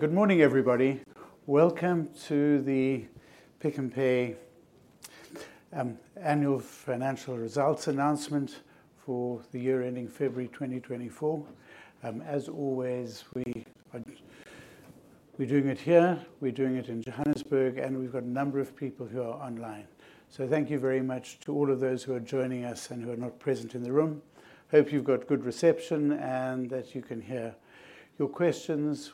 Good morning, everybody. Welcome to the Pick n Pay annual financial results announcement for the year ending February 2024. As always, we are, we're doing it here, we're doing it in Johannesburg, and we've got a number of people who are online. So thank you very much to all of those who are joining us and who are not present in the room. Hope you've got good reception and that you can hear. Your questions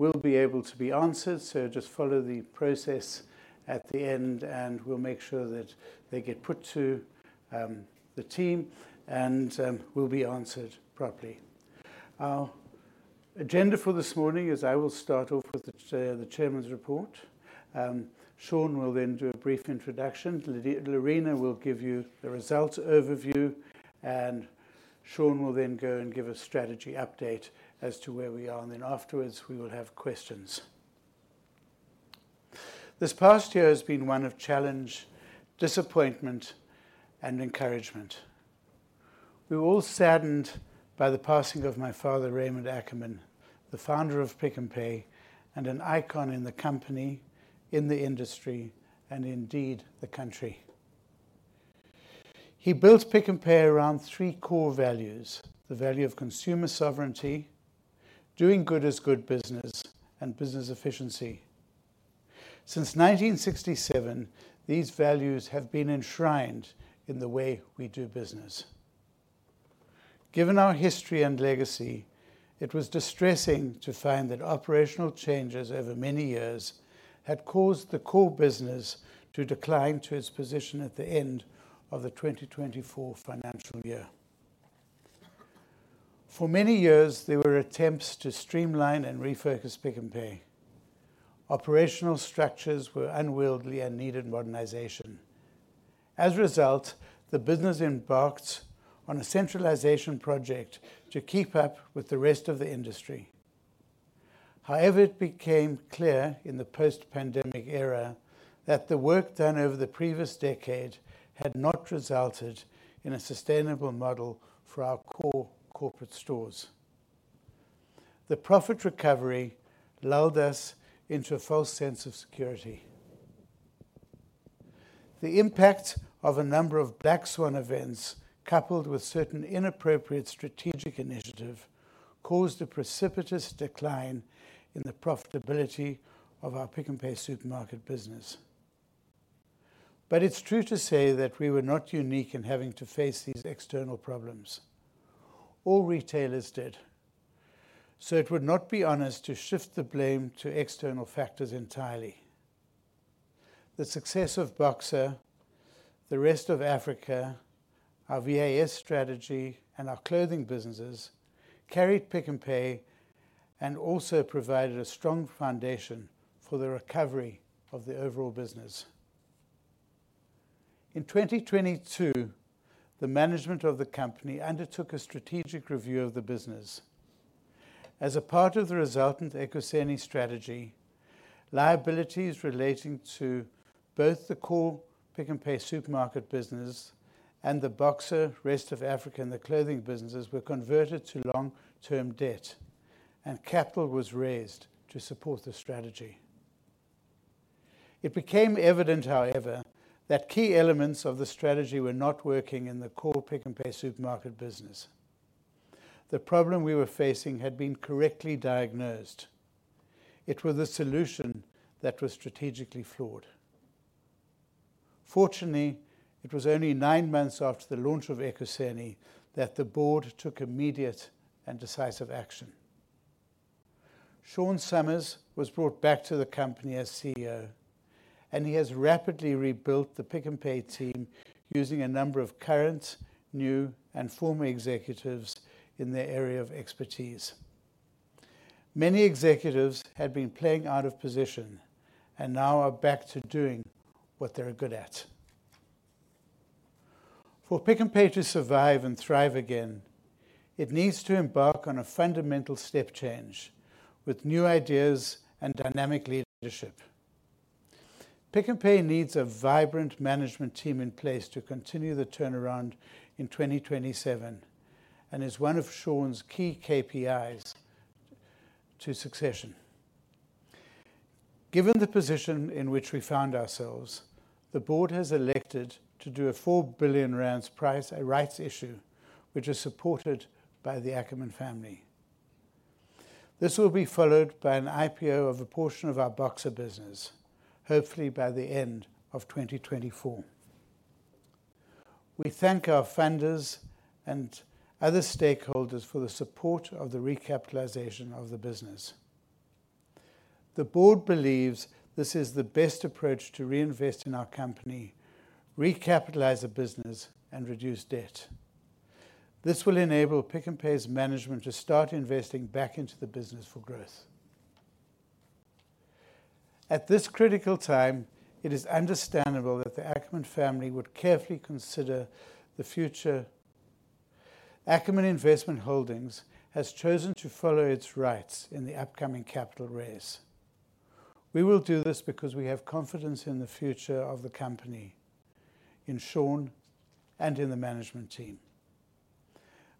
will be able to be answered, so just follow the process at the end, and we'll make sure that they get put to the team and will be answered properly. Our agenda for this morning is I will start off with the chairman's report. Sean will then do a brief introduction. Lerena will give you the results overview, and Sean will then go and give a strategy update as to where we are, and then afterwards, we will have questions. This past year has been one of challenge, disappointment, and encouragement. We were all saddened by the passing of my father, Raymond Ackerman, the founder of Pick n Pay, and an icon in the company, in the industry, and indeed, the country. He built Pick n Pay around three core values: the value of consumer sovereignty, doing good as good business, and business efficiency. Since 1967, these values have been enshrined in the way we do business. Given our history and legacy, it was distressing to find that operational changes over many years had caused the core business to decline to its position at the end of the 2024 financial year. For many years, there were attempts to streamline and refocus Pick n Pay. Operational structures were unwieldy and needed modernization. As a result, the business embarked on a centralization project to keep up with the rest of the industry. However, it became clear in the post-pandemic era that the work done over the previous decade had not resulted in a sustainable model for our core corporate stores. The profit recovery lulled us into a false sense of security. The impact of a number of black swan events, coupled with certain inappropriate strategic initiative, caused a precipitous decline in the profitability of our Pick n Pay supermarket business. But it's true to say that we were not unique in having to face these external problems. All retailers did, so it would not be honest to shift the blame to external factors entirely. The success of Boxer, the rest of Africa, our VAS strategy, and our clothing businesses carried Pick n Pay and also provided a strong foundation for the recovery of the overall business. In 2022, the management of the company undertook a strategic review of the business. As a part of the resultant Ekuseni strategy, liabilities relating to both the core Pick n Pay supermarket business and the Boxer, rest of Africa, and the clothing businesses were converted to long-term debt, and capital was raised to support the strategy. It became evident, however, that key elements of the strategy were not working in the core Pick n Pay supermarket business. The problem we were facing had been correctly diagnosed. It was a solution that was strategically flawed. Fortunately, it was only nine months after the launch of Ekuseni that the board took immediate and decisive action. Sean Summers was brought back to the company as CEO, and he has rapidly rebuilt the Pick n Pay team using a number of current, new, and former executives in their area of expertise. Many executives had been playing out of position and now are back to doing what they're good at. For Pick n Pay to survive and thrive again, it needs to embark on a fundamental step change with new ideas and dynamic leadership. Pick n Pay needs a vibrant management team in place to continue the turnaround in 2027 and is one of Sean's key KPIs to succession. Given the position in which we found ourselves, the board has elected to do a 4 billion rand rights issue, which is supported by the Ackerman family. This will be followed by an IPO of a portion of our Boxer business, hopefully by the end of 2024. We thank our funders and other stakeholders for the support of the recapitalization of the business. The board believes this is the best approach to reinvest in our company, recapitalize the business, and reduce debt. This will enable Pick n Pay's management to start investing back into the business for growth. At this critical time, it is understandable that the Ackerman family would carefully consider the future. Ackerman Investment Holdings has chosen to follow its rights in the upcoming capital raise. We will do this because we have confidence in the future of the company, in Sean, and in the management team....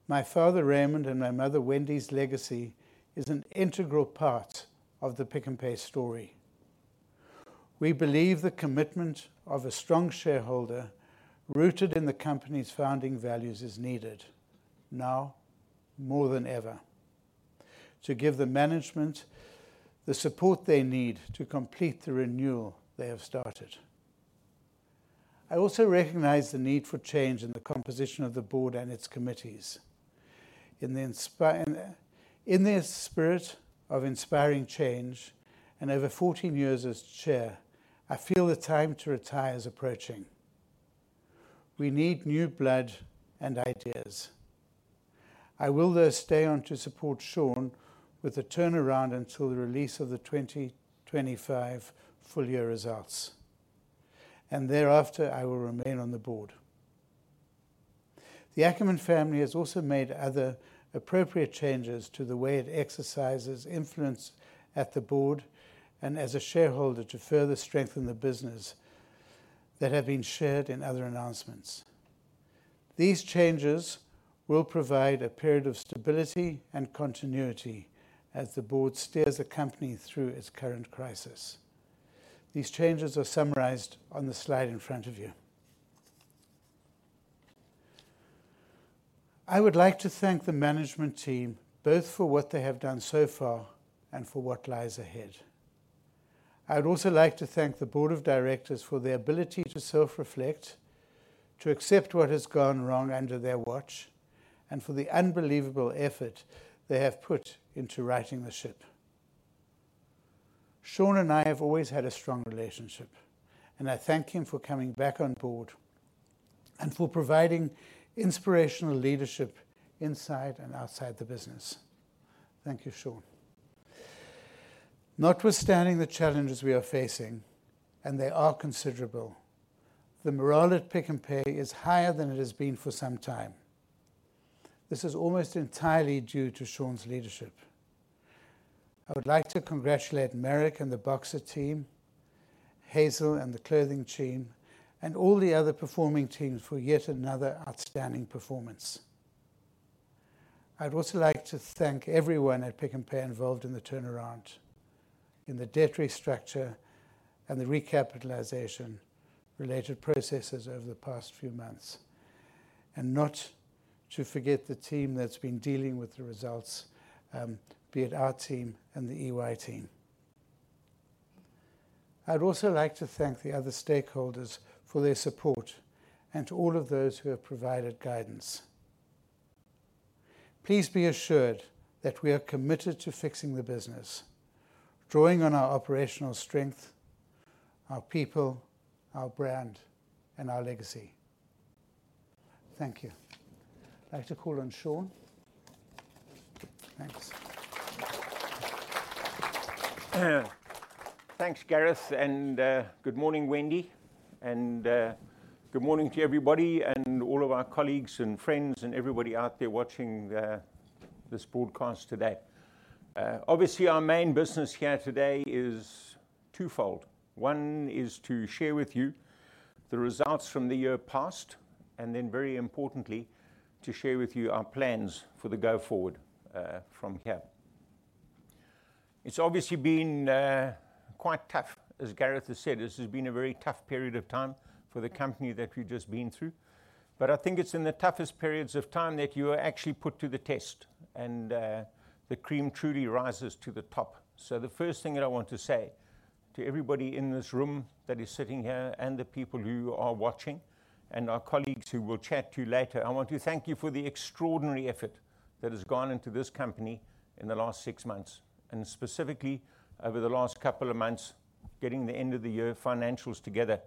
My father, Raymond, and my mother, Wendy's, legacy is an integral part of the Pick n Pay story. We believe the commitment of a strong shareholder, rooted in the company's founding values, is needed now more than ever to give the management the support they need to complete the renewal they have started. I also recognize the need for change in the composition of the board and its committees. In this spirit of inspiring change and over 14 years as chair, I feel the time to retire is approaching. We need new blood and ideas. I will, though, stay on to support Sean with the turnaround until the release of the 2025 full year results, and thereafter, I will remain on the board. The Ackerman family has also made other appropriate changes to the way it exercises influence at the board and as a shareholder to further strengthen the business that have been shared in other announcements. These changes will provide a period of stability and continuity as the board steers the company through its current crisis. These changes are summarized on the slide in front of you. I would like to thank the management team, both for what they have done so far and for what lies ahead. I would also like to thank the board of directors for their ability to self-reflect, to accept what has gone wrong under their watch, and for the unbelievable effort they have put into righting the ship. Sean and I have always had a strong relationship, and I thank him for coming back on board and for providing inspirational leadership inside and outside the business. Thank you, Sean. Notwithstanding the challenges we are facing, and they are considerable, the morale at Pick n Pay is higher than it has been for some time. This is almost entirely due to Sean's leadership. I would like to congratulate Marek and the Boxer team, Hazel and the clothing team, and all the other performing teams for yet another outstanding performance. I'd also like to thank everyone at Pick n Pay involved in the turnaround, in the debt restructure, and the recapitalization-related processes over the past few months, and not to forget the team that's been dealing with the results, be it our team and the EY team. I'd also like to thank the other stakeholders for their support and to all of those who have provided guidance. Please be assured that we are committed to fixing the business, drawing on our operational strength, our people, our brand, and our legacy. Thank you. I'd like to call on Sean. Thanks. Thanks, Gareth, and good morning, Wendy, and good morning to everybody and all of our colleagues and friends and everybody out there watching this broadcast today. Obviously, our main business here today is twofold. One is to share with you the results from the year past, and then, very importantly, to share with you our plans for the go forward from here. It's obviously been quite tough. As Gareth has said, this has been a very tough period of time for the company that we've just been through, but I think it's in the toughest periods of time that you are actually put to the test and the cream truly rises to the top. So the first thing that I want to say to everybody in this room that is sitting here and the people who are watching and our colleagues who we'll chat to later, I want to thank you for the extraordinary effort that has gone into this company in the last six months, and specifically over the last couple of months, getting the end of the year financials together.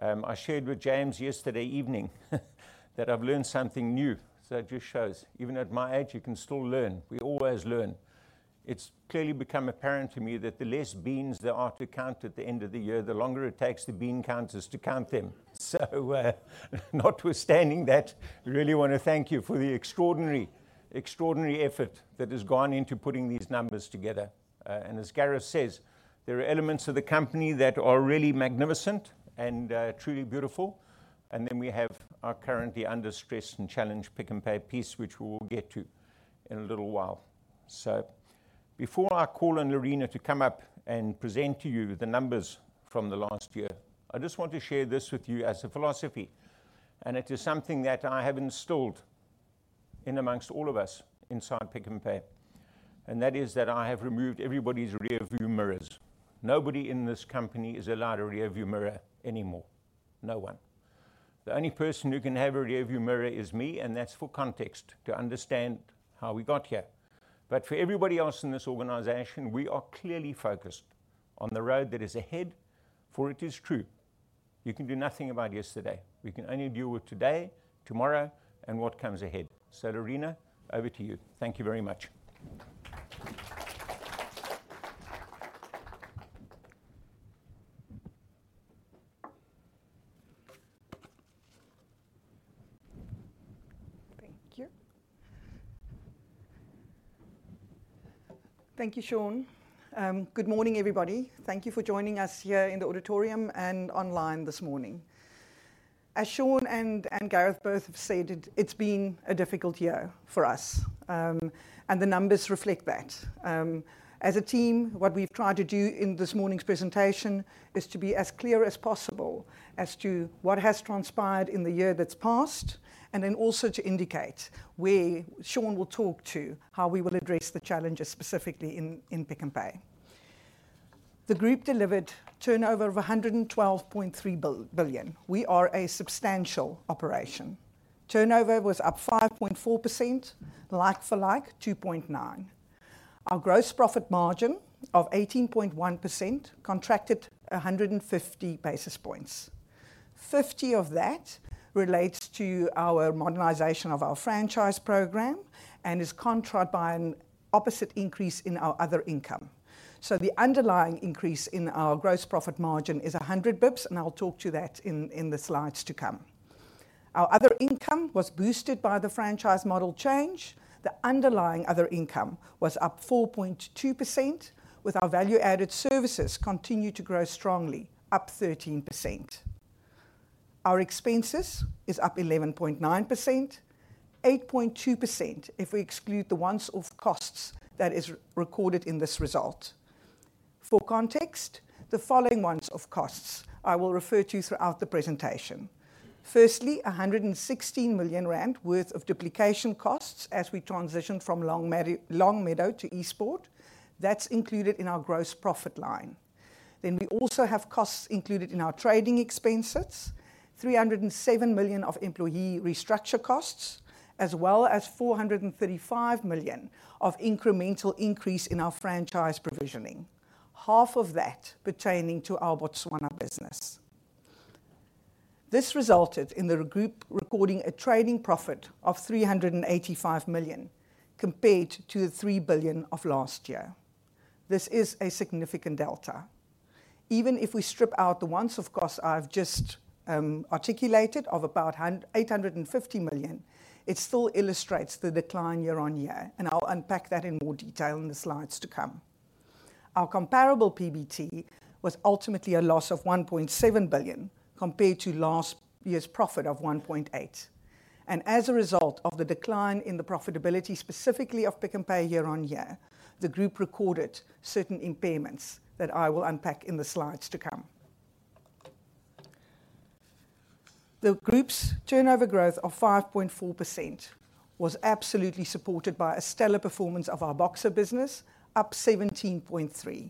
I shared with James yesterday evening, that I've learned something new, so it just shows, even at my age, you can still learn. We always learn. It's clearly become apparent to me that the less beans there are to count at the end of the year, the longer it takes the bean counters to count them. So, notwithstanding that, we really want to thank you for the extraordinary, extraordinary effort that has gone into putting these numbers together. As Gareth says, there are elements of the company that are really magnificent and, truly beautiful, and then we have our currently under stress and challenged Pick n Pay piece, which we will get to in a little while. Before I call on Lerena to come up and present to you the numbers from the last year, I just want to share this with you as a philosophy, and it is something that I have instilled in amongst all of us inside Pick n Pay, and that is that I have removed everybody's rearview mirrors. Nobody in this company is allowed a rearview mirror anymore. No one. The only person who can have a rearview mirror is me, and that's for context, to understand how we got here. But for everybody else in this organization, we are clearly focused on the road that is ahead, for it is true, you can do nothing about yesterday. We can only deal with today, tomorrow, and what comes ahead. So, Lerena, over to you. Thank you very much. Thank you.... Thank you, Sean. Good morning, everybody. Thank you for joining us here in the auditorium and online this morning. As Sean and Gareth both have said, it's been a difficult year for us, and the numbers reflect that. As a team, what we've tried to do in this morning's presentation is to be as clear as possible as to what has transpired in the year that's passed, and then also to indicate where Sean will talk to how we will address the challenges specifically in Pick n Pay. The group delivered turnover of 112.3 billion. We are a substantial operation. Turnover was up 5.4%, like-for-like 2.9. Our gross profit margin of 18.1% contracted 150 basis points. 50 of that relates to our modernization of our franchise program and is countered by an opposite increase in our other income. So the underlying increase in our gross profit margin is 100 basis points, and I'll talk to that in, in the slides to come. Our other income was boosted by the franchise model change. The underlying other income was up 4.2%, with our value-added services continue to grow strongly, up 13%. Our expenses is up 11.9%, 8.2% if we exclude the once-off costs that is recorded in this result. For context, the following once-off costs I will refer to throughout the presentation: firstly, 116 million rand worth of duplication costs as we transition from Longmeadow to Eastport. That's included in our gross profit line. Then we also have costs included in our trading expenses, 307 million of employee restructure costs, as well as 435 million of incremental increase in our franchise provisioning, half of that pertaining to our Botswana business. This resulted in the group recording a trading profit of 385 million, compared to the 3 billion of last year. This is a significant delta. Even if we strip out the once-off costs I've just articulated, of about eight hundred and fifty million, it still illustrates the decline year-on-year, and I'll unpack that in more detail in the slides to come. Our comparable PBT was ultimately a loss of 1.7 billion, compared to last year's profit of 1.8 billion. As a result of the decline in the profitability, specifically of Pick n Pay year-on-year, the group recorded certain impairments that I will unpack in the slides to come. The group's turnover growth of 5.4% was absolutely supported by a stellar performance of our Boxer business, up 17.3%.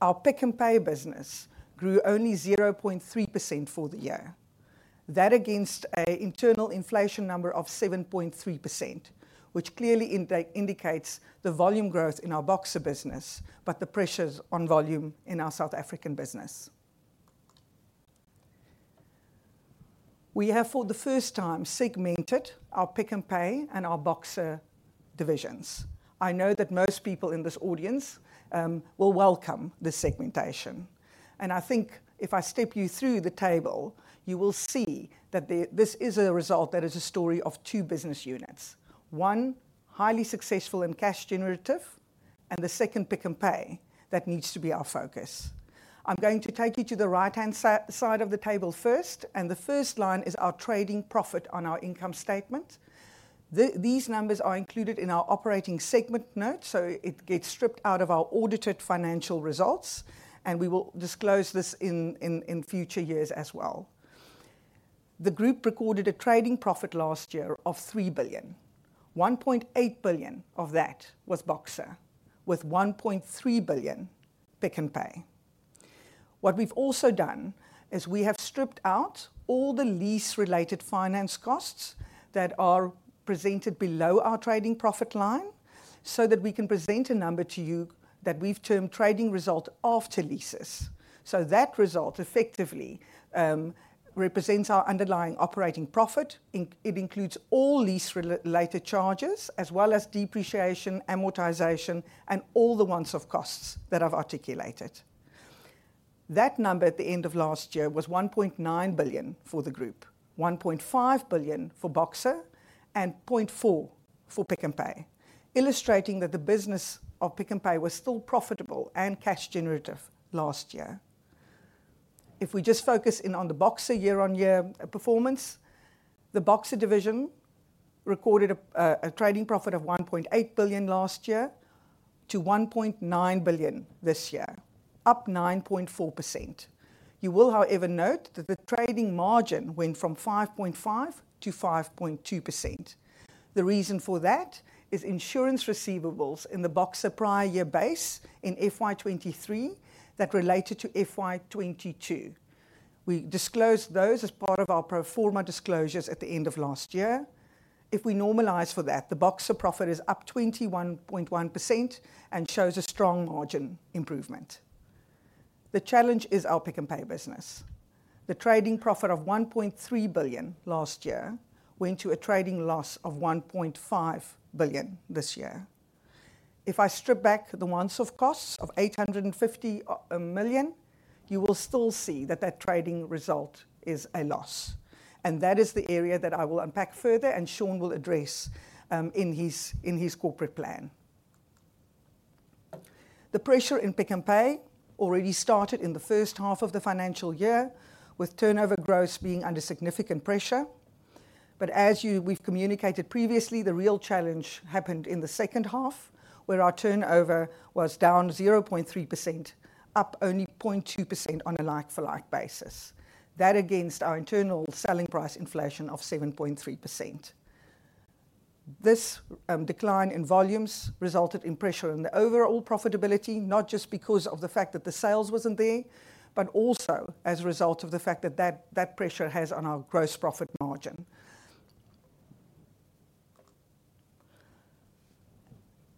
Our Pick n Pay business grew only 0.3% for the year. That against an internal inflation number of 7.3%, which clearly indicates the volume growth in our Boxer business, but the pressures on volume in our South African business. We have, for the first time, segmented our Pick n Pay and our Boxer divisions. I know that most people in this audience will welcome the segmentation. And I think if I step you through the table, you will see that the... This is a result that is a story of two business units: one, highly successful and cash generative, and the second, Pick n Pay, that needs to be our focus. I'm going to take you to the right-hand side of the table first, and the first line is our trading profit on our income statement. These numbers are included in our operating segment notes, so it gets stripped out of our audited financial results, and we will disclose this in future years as well. The group recorded a trading profit last year of 3 billion. 1.8 billion of that was Boxer, with 1.3 billion Pick n Pay. What we've also done is we have stripped out all the lease-related finance costs that are presented below our trading profit line so that we can present a number to you that we've termed trading result after leases. So that result effectively represents our underlying operating profit. It includes all lease-related charges, as well as depreciation, amortization, and all the one-off costs that I've articulated. That number at the end of last year was 1.9 billion for the group, 1.5 billion for Boxer, and 0.4 billion for Pick n Pay, illustrating that the business of Pick n Pay was still profitable and cash generative last year. If we just focus in on the Boxer year-on-year performance, the Boxer division recorded a trading profit of 1.8 billion last year to 1.9 billion this year, up 9.4%. You will, however, note that the trading margin went from 5.5%-5.2%. The reason for that is insurance receivables in the Boxer prior year base in FY 2023 that related to FY 2022. We disclosed those as part of our pro forma disclosures at the end of last year. If we normalize for that, the Boxer profit is up 21.1% and shows a strong margin improvement. The challenge is our Pick n Pay business. The trading profit of 1.3 billion last year went to a trading loss of 1.5 billion this year. If I strip back the one-off costs of 850 million, you will still see that that trading result is a loss, and that is the area that I will unpack further and Sean will address in his corporate plan. The pressure in Pick n Pay already started in the first half of the financial year, with turnover growth being under significant pressure. But we've communicated previously, the real challenge happened in the second half, where our turnover was down 0.3%, up only 0.2% on a like-for-like basis. That against our internal selling price inflation of 7.3%. This decline in volumes resulted in pressure on the overall profitability, not just because of the fact that the sales wasn't there, but also as a result of the fact that that pressure has on our gross profit margin.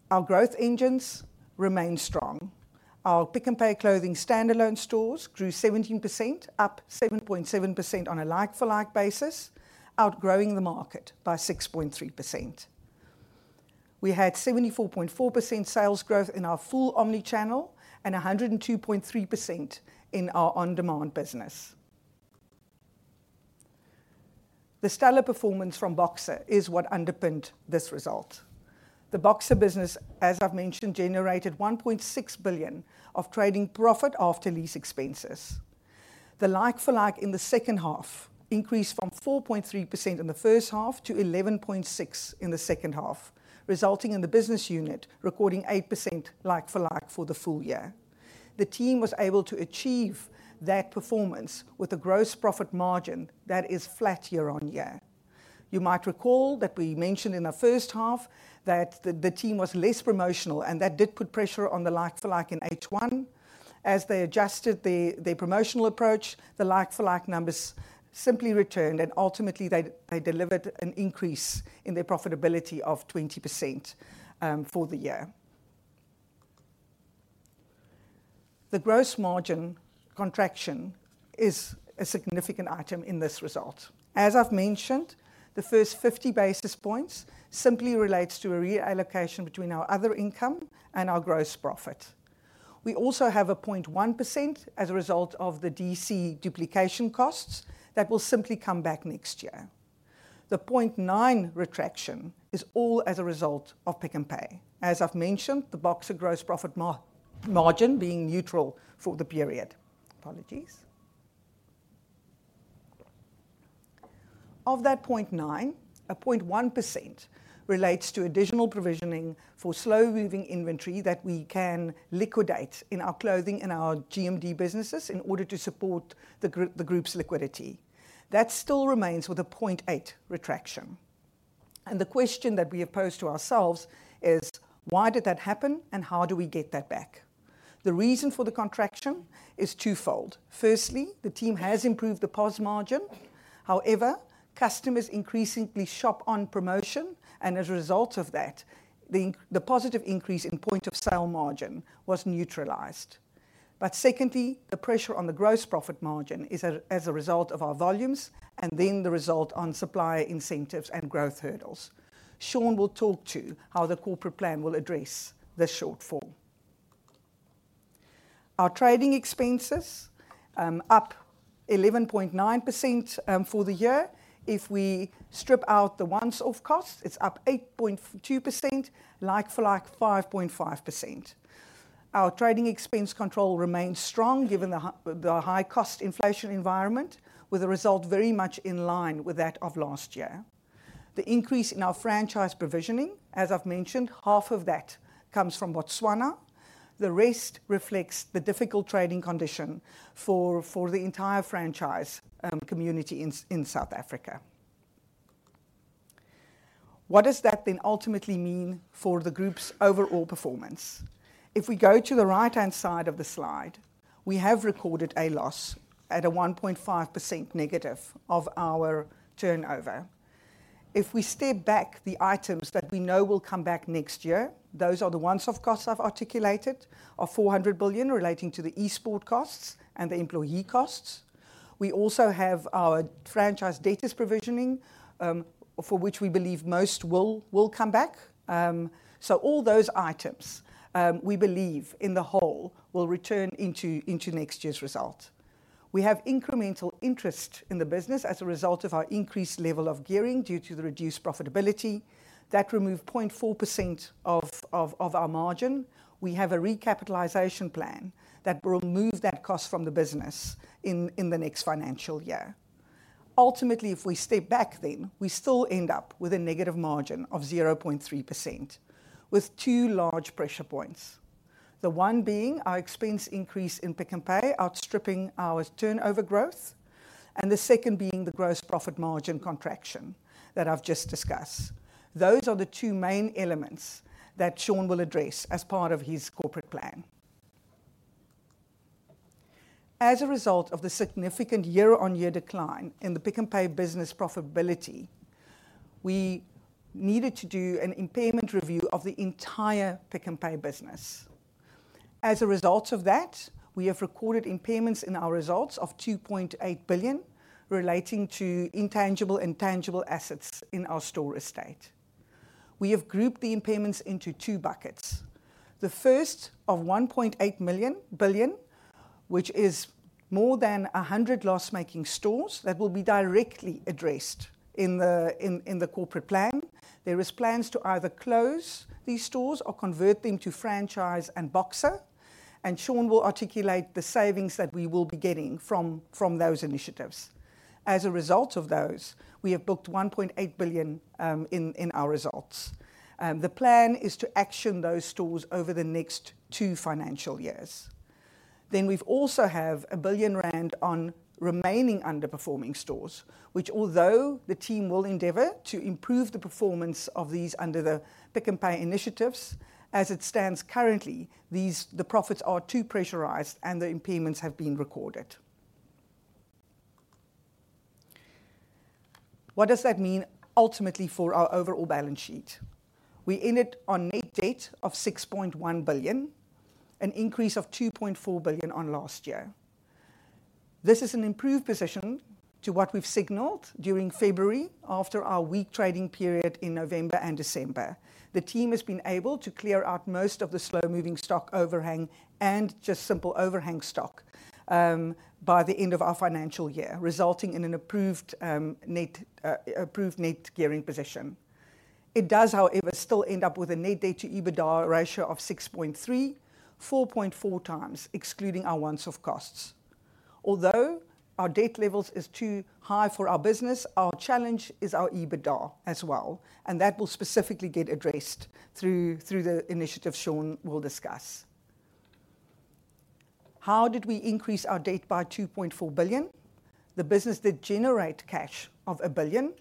Our growth engines remain strong. Our Pick n Pay Clothing standalone stores grew 17%, up 7.7% on a like-for-like basis, outgrowing the market by 6.3%. We had 74.4% sales growth in our full omni-channel and 102.3% in our on-demand business. The stellar performance from Boxer is what underpinned this result. The Boxer business, as I've mentioned, generated 1.6 billion of trading profit after lease expenses. The like-for-like in the second half increased from 4.3% in the first half to 11.6% in the second half, resulting in the business unit recording 8% like-for-like for the full year. The team was able to achieve that performance with a gross profit margin that is flat year-on-year. You might recall that we mentioned in the first half that the team was less promotional, and that did put pressure on the like-for-like in H1. As they adjusted the promotional approach, the like-for-like numbers simply returned, and ultimately, they delivered an increase in their profitability of 20%, for the year. The gross margin contraction is a significant item in this result. As I've mentioned, the first 50 basis points simply relates to a reallocation between our other income and our gross profit. We also have a 0.1% as a result of the DC duplication costs that will simply come back next year. The 0.9% contraction is all as a result of Pick n Pay. As I've mentioned, the Boxer gross profit margin being neutral for the period. Apologies. Of that 0.9%, a 0.1% relates to additional provisioning for slow-moving inventory that we can liquidate in our clothing and our GMD businesses in order to support the group, the group's liquidity. That still remains with a 0.8% contraction. And the question that we have posed to ourselves is: why did that happen, and how do we get that back? The reason for the contraction is twofold. Firstly, the team has improved the POS margin. However, customers increasingly shop on promotion, and as a result of that, the positive increase in point of sale margin was neutralized. But secondly, the pressure on the gross profit margin is as a result of our volumes and then the result on supplier incentives and growth hurdles. Sean will talk to how the corporate plan will address this shortfall. Our trading expenses up 11.9% for the year. If we strip out the once-off costs, it's up 8.2%, like-for-like, 5.5%. Our trading expense control remains strong, given the high-cost inflation environment, with a result very much in line with that of last year. The increase in our franchise provisioning, as I've mentioned, half of that comes from Botswana. The rest reflects the difficult trading condition for the entire franchise community in South Africa. What does that then ultimately mean for the group's overall performance? If we go to the right-hand side of the slide, we have recorded a loss at a 1.5% negative of our turnover. If we step back, the items that we know will come back next year, those are the once-off costs I've articulated, are 400 billion relating to the Eastport costs and the employee costs. We also have our franchise debtors provisioning, for which we believe most will come back. So all those items, we believe, on the whole, will return into next year's result. We have incremental interest in the business as a result of our increased level of gearing due to the reduced profitability. That removed 0.4% of our margin. We have a recapitalization plan that will remove that cost from the business in the next financial year. Ultimately, if we step back then, we still end up with a negative margin of 0.3%, with two large pressure points. The one being our expense increase in Pick n Pay outstripping our turnover growth, and the second being the gross profit margin contraction that I've just discussed. Those are the two main elements that Sean will address as part of his corporate plan. As a result of the significant year-on-year decline in the Pick n Pay business profitability, we needed to do an impairment review of the entire Pick n Pay business. As a result of that, we have recorded impairments in our results of 2.8 billion, relating to intangible and tangible assets in our store estate. We have grouped the impairments into two buckets. The first of 1.8 billion, which is more than 100 loss-making stores that will be directly addressed in the corporate plan. There are plans to either close these stores or convert them to franchise and Boxer, and Sean will articulate the savings that we will be getting from those initiatives. As a result of those, we have booked 1.8 billion in our results. The plan is to action those stores over the next two financial years. Then we've also have 1 billion rand on remaining underperforming stores, which although the team will endeavor to improve the performance of these under the Pick n Pay initiatives, as it stands currently, these the profits are too pressurized and the impairments have been recorded. What does that mean ultimately for our overall balance sheet? We ended on net debt of 6.1 billion, an increase of 2.4 billion on last year. This is an improved position to what we've signaled during February, after our weak trading period in November and December. The team has been able to clear out most of the slow-moving stock overhang and just simple overhang stock, by the end of our financial year, resulting in an approved, net, approved net gearing position. It does, however, still end up with a net debt to EBITDA ratio of 6.3, 4.4 times, excluding our once-off costs. Although our debt levels is too high for our business, our challenge is our EBITDA as well, and that will specifically get addressed through the initiatives Sean will discuss. How did we increase our debt by 2.4 billion? The business did generate cash of 1 billion,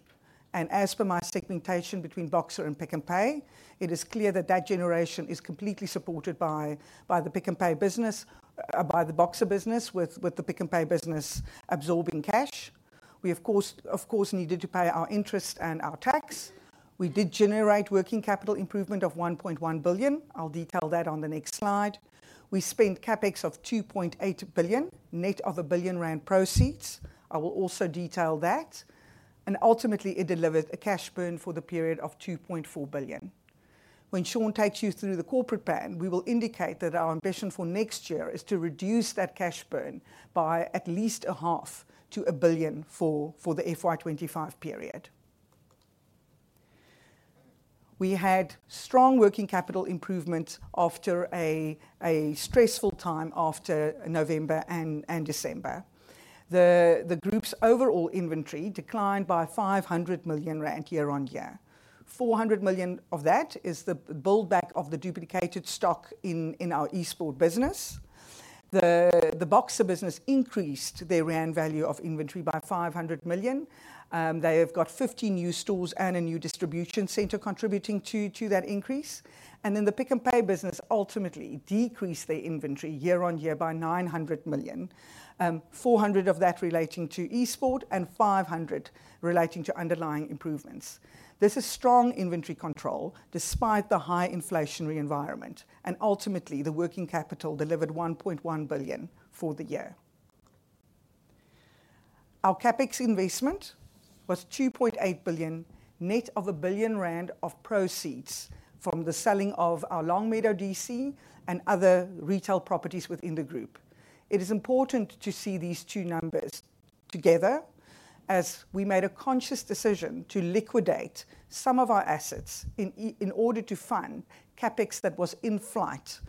and as per my segmentation between Boxer and Pick n Pay, it is clear that that generation is completely supported by the Pick n Pay business, by the Boxer business, with the Pick n Pay business absorbing cash. We, of course, needed to pay our interest and our tax. We did generate working capital improvement of 1.1 billion. I'll detail that on the next slide. We spent CapEx of 2.8 billion, net of 1 billion rand proceeds. I will also detail that, and ultimately, it delivered a cash burn for the period of 2.4 billion. When Sean takes you through the corporate plan, we will indicate that our ambition for next year is to reduce that cash burn by at least half to 1 billion for the FY 2025 period. We had strong working capital improvement after a stressful time after November and December. The group's overall inventory declined by 500 million rand year-on-year. 400 million of that is the buildback of the duplicated stock in our Eastport business. The Boxer business increased their rand value of inventory by 500 million. They have got 15 new stores and a new distribution center contributing to that increase. And then the Pick n Pay business ultimately decreased their inventory year-on-year by 900 million, 400 of that relating to Eastport and 500 relating to underlying improvements. This is strong inventory control despite the high inflationary environment, and ultimately, the working capital delivered 1.1 billion for the year. Our CapEx investment was 2.8 billion, net of 1 billion rand of proceeds from the selling of our Longmeadow DC and other retail properties within the group. It is important to see these two numbers together, as we made a conscious decision to liquidate some of our assets in order to fund CapEx that was in flight,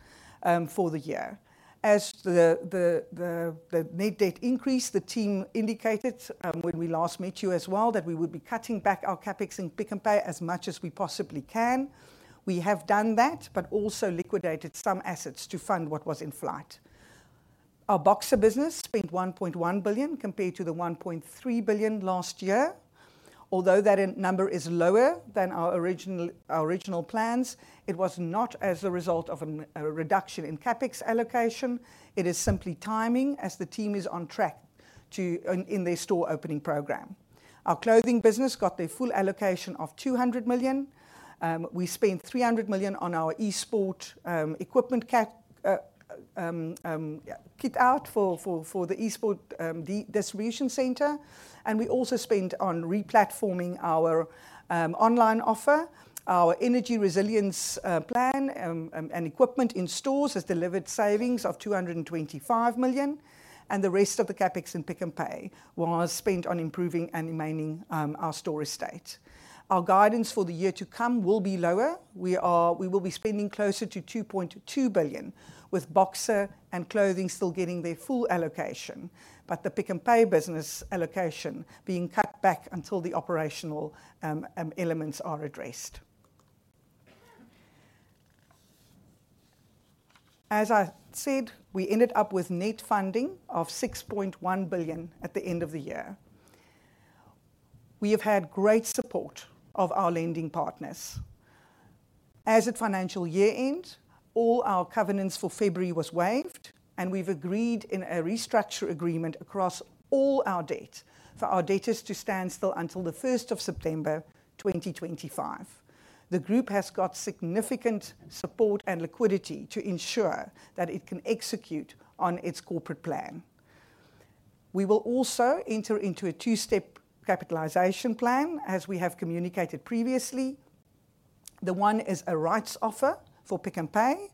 for the year. As the net debt increased, the team indicated, when we last met you as well, that we would be cutting back our CapEx in Pick n Pay as much as we possibly can. We have done that, but also liquidated some assets to fund what was in flight. Our Boxer business spent 1.1 billion, compared to the 1.3 billion last year. Although that number is lower than our original, our original plans, it was not as a result of a reduction in CapEx allocation. It is simply timing, as the team is on track to in their store opening program. Our clothing business got their full allocation of 200 million. We spent 300 million on our e-commerce, equipment CapEx kit out for the e-commerce distribution center. And we also spent on replatforming our online offer. Our energy resilience plan and equipment in stores has delivered savings of 225 million, and the rest of the CapEx in Pick n Pay was spent on improving and maintaining our store estate. Our guidance for the year to come will be lower. We will be spending closer to 2.2 billion, with Boxer and clothing still getting their full allocation, but the Pick n Pay business allocation being cut back until the operational elements are addressed. As I said, we ended up with net funding of 6.1 billion at the end of the year. We have had great support of our lending partners. As at financial year-end, all our covenants for February was waived, and we've agreed in a restructure agreement across all our debt for our debtors to stand still until the 1st of September 2025. The group has got significant support and liquidity to ensure that it can execute on its corporate plan. We will also enter into a two-step capitalization plan, as we have communicated previously. The one is a rights offer for Pick n Pay,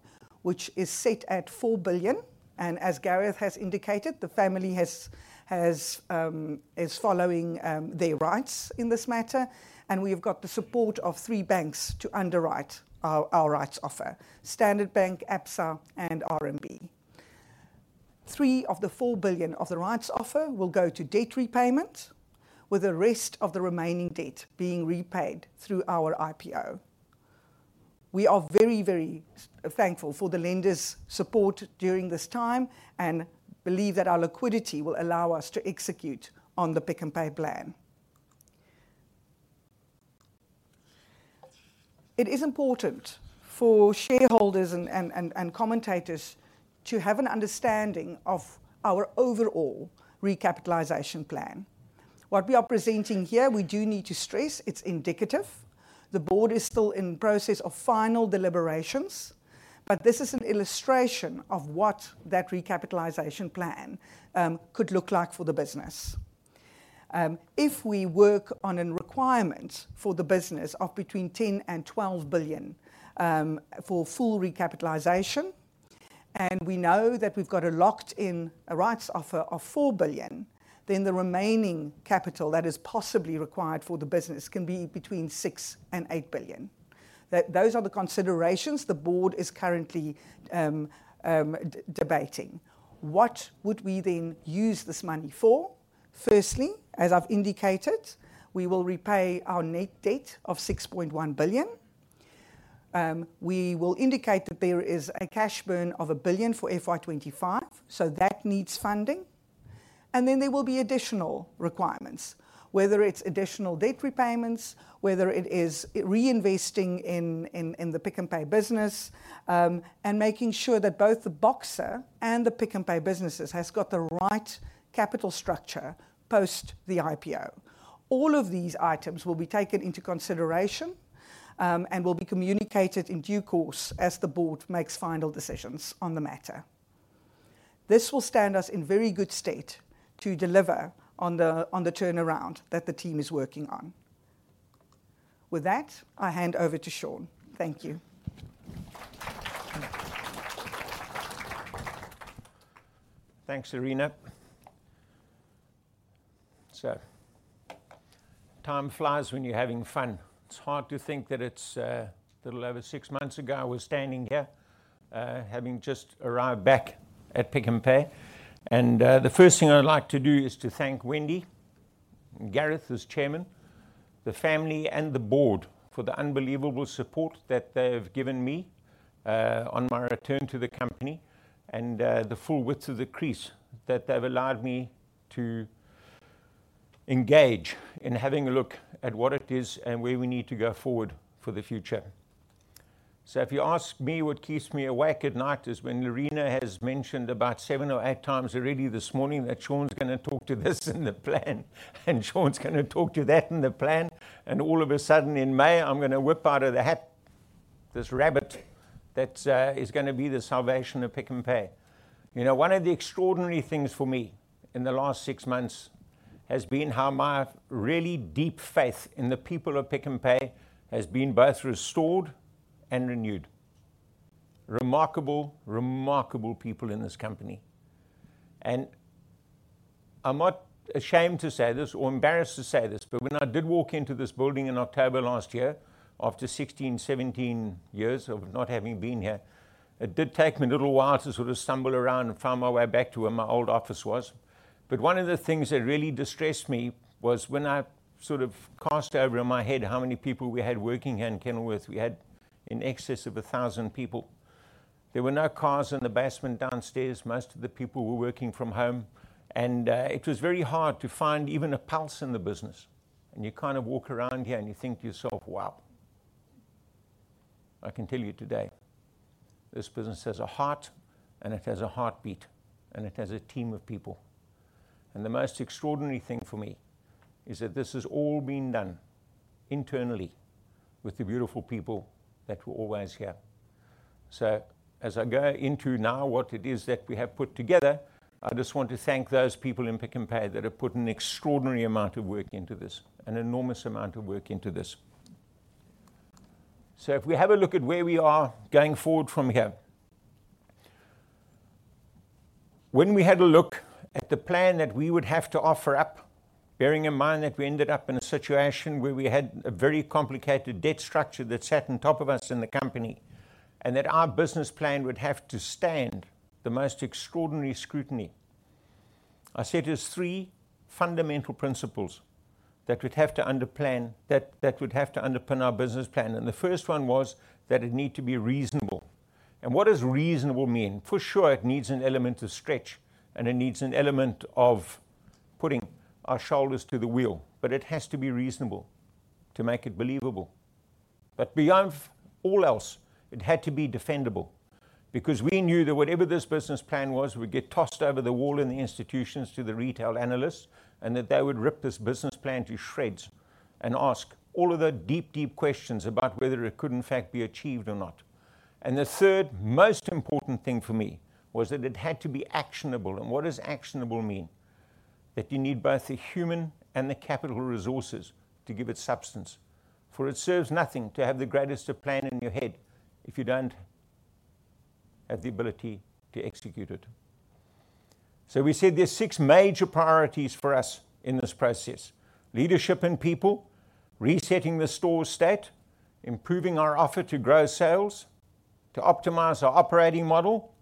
which is set at 4 billion, and as Gareth has indicated, the family has is following their rights in this matter, and we've got the support of three banks to underwrite our rights offer: Standard Bank, Absa, and RMB. ZAR 3 billion of the 4 billion of the rights offer will go to debt repayment, with the rest of the remaining debt being repaid through our IPO. We are very, very thankful for the lenders' support during this time and believe that our liquidity will allow us to execute on the Pick n Pay plan. It is important for shareholders and commentators to have an understanding of our overall recapitalization plan. What we are presenting here, we do need to stress, it's indicative. The board is still in process of final deliberations, but this is an illustration of what that recapitalization plan could look like for the business. If we work on a requirement for the business of between 10 billion and 12 billion for full recapitalization, and we know that we've got a locked-in rights offer of 4 billion, then the remaining capital that is possibly required for the business can be between 6 billion and 8 billion. Those are the considerations the board is currently debating. What would we then use this money for? Firstly, as I've indicated, we will repay our net debt of 6.1 billion. We will indicate that there is a cash burn of 1 billion for FY 2025, so that needs funding. And then there will be additional requirements, whether it's additional debt repayments, whether it is reinvesting in the Pick n Pay business, and making sure that both the Boxer and the Pick n Pay businesses has got the right capital structure, post the IPO. All of these items will be taken into consideration, and will be communicated in due course as the board makes final decisions on the matter. This will stand us in very good state to deliver on the turnaround that the team is working on. With that, I hand over to Sean. Thank you. Thanks, Lerena. So, time flies when you're having fun. It's hard to think that it's a little over six months ago, I was standing here, having just arrived back at Pick n Pay. The first thing I'd like to do is to thank Wendy and Gareth, as Chairman, the family, and the board for the unbelievable support that they have given me, on my return to the company and, the full width of the crease that they've allowed me to engage in having a look at what it is and where we need to go forward for the future. So if you ask me what keeps me awake at night, is when Lerena has mentioned about seven or eight times already this morning that Sean's gonna talk to this in the plan, and Sean's gonna talk to that in the plan, and all of a sudden, in May, I'm gonna whip out of the hat this rabbit that is gonna be the salvation of Pick n Pay. You know, one of the extraordinary things for me in the last six months has been how my really deep faith in the people of Pick n Pay has been both restored and renewed. Remarkable, remarkable people in this company. I'm not ashamed to say this or embarrassed to say this, but when I did walk into this building in October last year, after 16, 17 years of not having been here, it did take me a little while to sort of stumble around and find my way back to where my old office was. But one of the things that really distressed me was when I sort of cast over in my head how many people we had working here in Kenilworth. We had in excess of 1,000 people. There were no cars in the basement downstairs. Most of the people were working from home, and it was very hard to find even a pulse in the business. And you kind of walk around here, and you think to yourself: "Wow!" I can tell you today, this business has a heart, and it has a heartbeat, and it has a team of people. And the most extraordinary thing for me is that this has all been done internally with the beautiful people that were always here. So as I go into now what it is that we have put together, I just want to thank those people in Pick n Pay that have put an extraordinary amount of work into this, an enormous amount of work into this. So if we have a look at where we are going forward from here. When we had a look at the plan that we would have to offer up, bearing in mind that we ended up in a situation where we had a very complicated debt structure that sat on top of us in the company, and that our business plan would have to stand the most extraordinary scrutiny, I set us three fundamental principles that would have to underpin our business plan, and the first one was that it need to be reasonable. What does reasonable mean? For sure, it needs an element of stretch, and it needs an element of putting our shoulders to the wheel, but it has to be reasonable to make it believable. But beyond all else, it had to be defendable because we knew that whatever this business plan was, would get tossed over the wall in the institutions to the retail analysts, and that they would rip this business plan to shreds and ask all of the deep, deep questions about whether it could, in fact, be achieved or not... The third most important thing for me was that it had to be actionable. What does actionable mean? That you need both the human and the capital resources to give it substance, for it serves nothing to have the greatest plan in your head if you don't have the ability to execute it. So we said there's six major priorities for us in this process: leadership and people, resetting the store estate, improving our offer to grow sales, to optimize our operating model,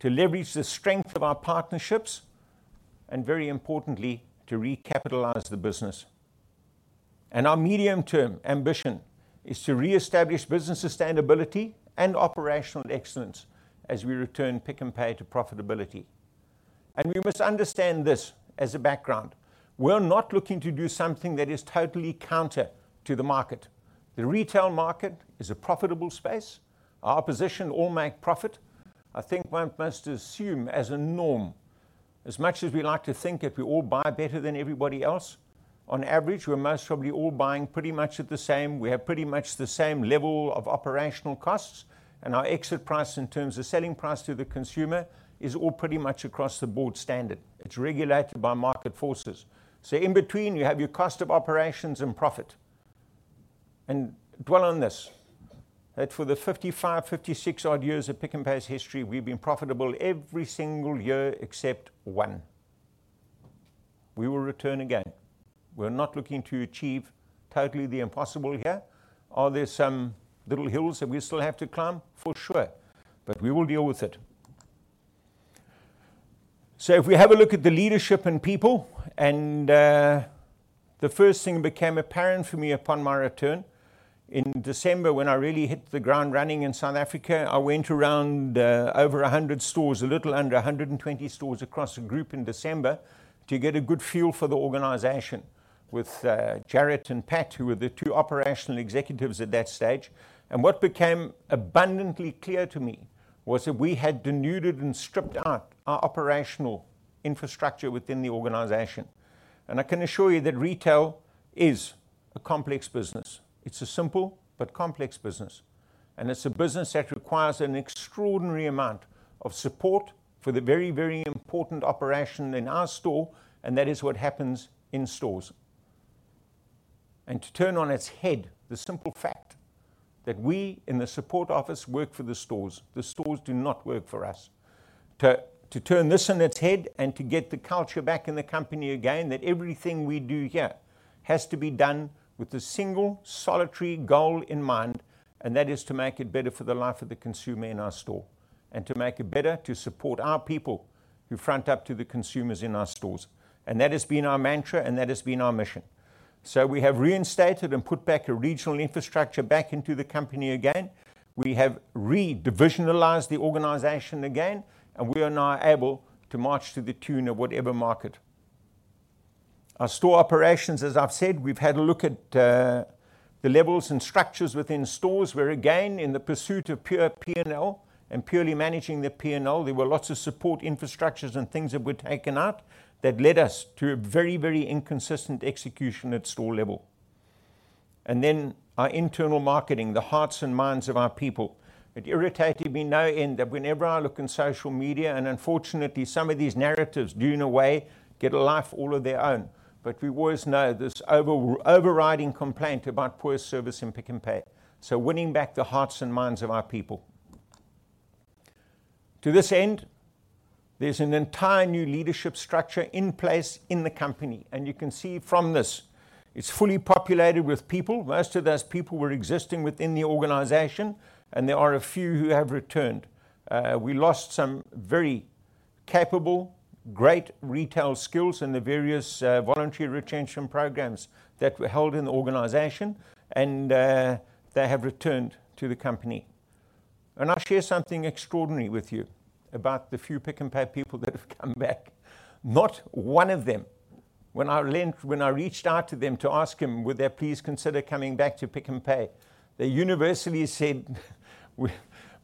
to leverage the strength of our partnerships, and very importantly, to recapitalize the business. Our medium-term ambition is to reestablish business sustainability and operational excellence as we return Pick n Pay to profitability. We must understand this as a background. We're not looking to do something that is totally counter to the market. The retail market is a profitable space. Our position all make profit, I think one must assume as a norm. As much as we like to think if we all buy better than everybody else, on average, we're most probably all buying pretty much at the same. We have pretty much the same level of operational costs, and our exit price in terms of selling price to the consumer is all pretty much across the board standard. It's regulated by market forces. So in between, you have your cost of operations and profit. And dwell on this, that for the 55, 56 odd years of Pick n Pay's history, we've been profitable every single year except one. We will return again. We're not looking to achieve totally the impossible here. Are there some little hills that we still have to climb? For sure, but we will deal with it. So if we have a look at the leadership and people, and the first thing became apparent for me upon my return in December, when I really hit the ground running in South Africa, I went around, over 100 stores, a little under 120 stores across the group in December, to get a good feel for the organization with Jarett and Pat, who were the two operational executives at that stage. And what became abundantly clear to me was that we had denuded and stripped out our operational infrastructure within the organization. And I can assure you that retail is a complex business. It's a simple but complex business, and it's a business that requires an extraordinary amount of support for the very, very important operation in our store, and that is what happens in stores. To turn on its head, the simple fact that we in the support office work for the stores, the stores do not work for us. To turn this on its head and to get the culture back in the company again, that everything we do here has to be done with a single, solitary goal in mind, and that is to make it better for the life of the consumer in our store, and to make it better to support our people who front up to the consumers in our stores. And that has been our mantra, and that has been our mission. We have reinstated and put back a regional infrastructure back into the company again. We have re-divisionalized the organization again, and we are now able to march to the tune of whatever market. Our store operations, as I've said, we've had a look at, the levels and structures within stores, where, again, in the pursuit of pure P&L and purely managing the P&L, there were lots of support infrastructures and things that were taken out that led us to a very, very inconsistent execution at store level. And then our internal marketing, the hearts and minds of our people. It irritated me no end that whenever I look in social media, and unfortunately, some of these narratives, due in a way, get a life all of their own. But we always know this overriding complaint about poor service in Pick n Pay, so winning back the hearts and minds of our people. To this end, there's an entire new leadership structure in place in the company, and you can see from this, it's fully populated with people. Most of those people were existing within the organization, and there are a few who have returned. We lost some very capable, great retail skills in the various voluntary retention programs that were held in the organization, and they have returned to the company. I'll share something extraordinary with you about the few Pick n Pay people that have come back. Not one of them, when I reached out to them to ask them, would they please consider coming back to Pick n Pay? They universally said,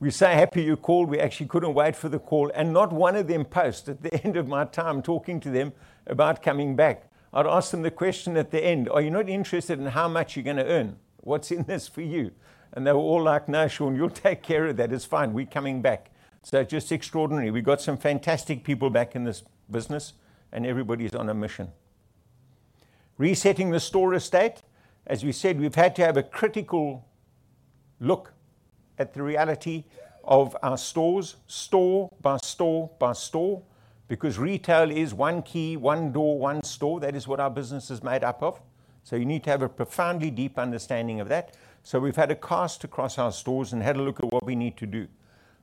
"We're so happy you called. We actually couldn't wait for the call." Not one of them post at the end of my time talking to them about coming back. I'd ask them the question at the end: "Are you not interested in how much you're gonna earn? What's in this for you?" And they were all like, "No, Sean, you'll take care of that. It's fine. We're coming back." So just extraordinary. We got some fantastic people back in this business, and everybody's on a mission. Resetting the store estate. As we said, we've had to have a critical look at the reality of our stores, store by store by store, because retail is one key, one door, one store. That is what our business is made up of. So you need to have a profoundly deep understanding of that. So we've had a cast across our stores and had a look at what we need to do.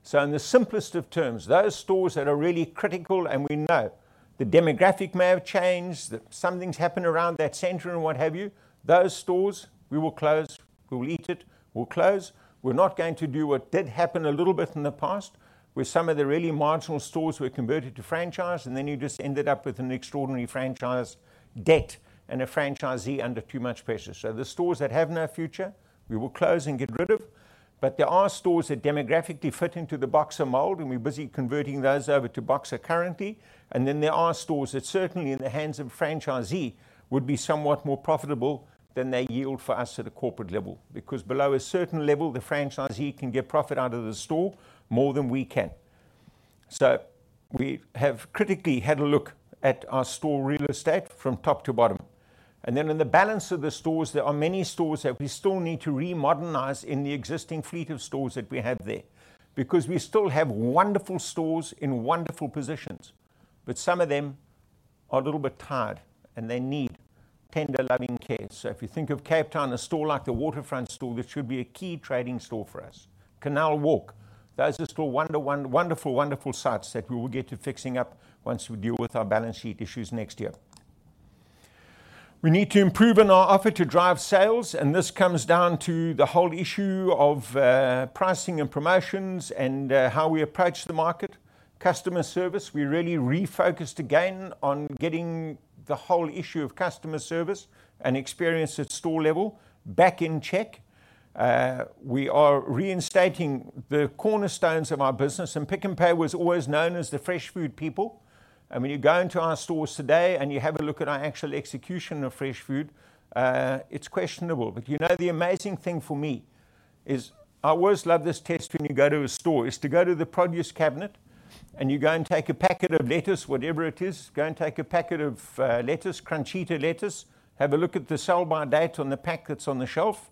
So in the simplest of terms, those stores that are really critical, and we know the demographic may have changed, that something's happened around that center and what have you, those stores, we will close. We'll eat it, we'll close. We're not going to do what did happen a little bit in the past, where some of the really marginal stores were converted to franchise, and then you just ended up with an extraordinary franchise debt and a franchisee under too much pressure. So the stores that have no future, we will close and get rid of. But there are stores that demographically fit into the Boxer mold, and we're busy converting those over to Boxer currently. And then there are stores that, certainly in the hands of a franchisee, would be somewhat more profitable than they yield for us at a corporate level, because below a certain level, the franchisee can get profit out of the store more than we can.... So we have critically had a look at our store real estate from top to bottom, and then in the balance of the stores, there are many stores that we still need to remodernize in the existing fleet of stores that we have there. Because we still have wonderful stores in wonderful positions, but some of them are a little bit tired, and they need tender loving care. So if you think of Cape Town, a store like the Waterfront store, that should be a key trading store for us. Canal Walk, those are still wonderful, wonderful sites that we will get to fixing up once we deal with our balance sheet issues next year. We need to improve on our offer to drive sales, and this comes down to the whole issue of pricing and promotions and how we approach the market. Customer service, we really refocused again on getting the whole issue of customer service and experience at store level back in check. We are reinstating the cornerstones of our business, and Pick n Pay was always known as the fresh food people, and when you go into our stores today, and you have a look at our actual execution of fresh food, it's questionable. But, you know, the amazing thing for me is I always love this test when you go to a store, is to go to the produce cabinet, and you go and take a packet of lettuce, whatever it is, go and take a packet of, lettuce, Crunchita lettuce, have a look at the sell by date on the pack that's on the shelf,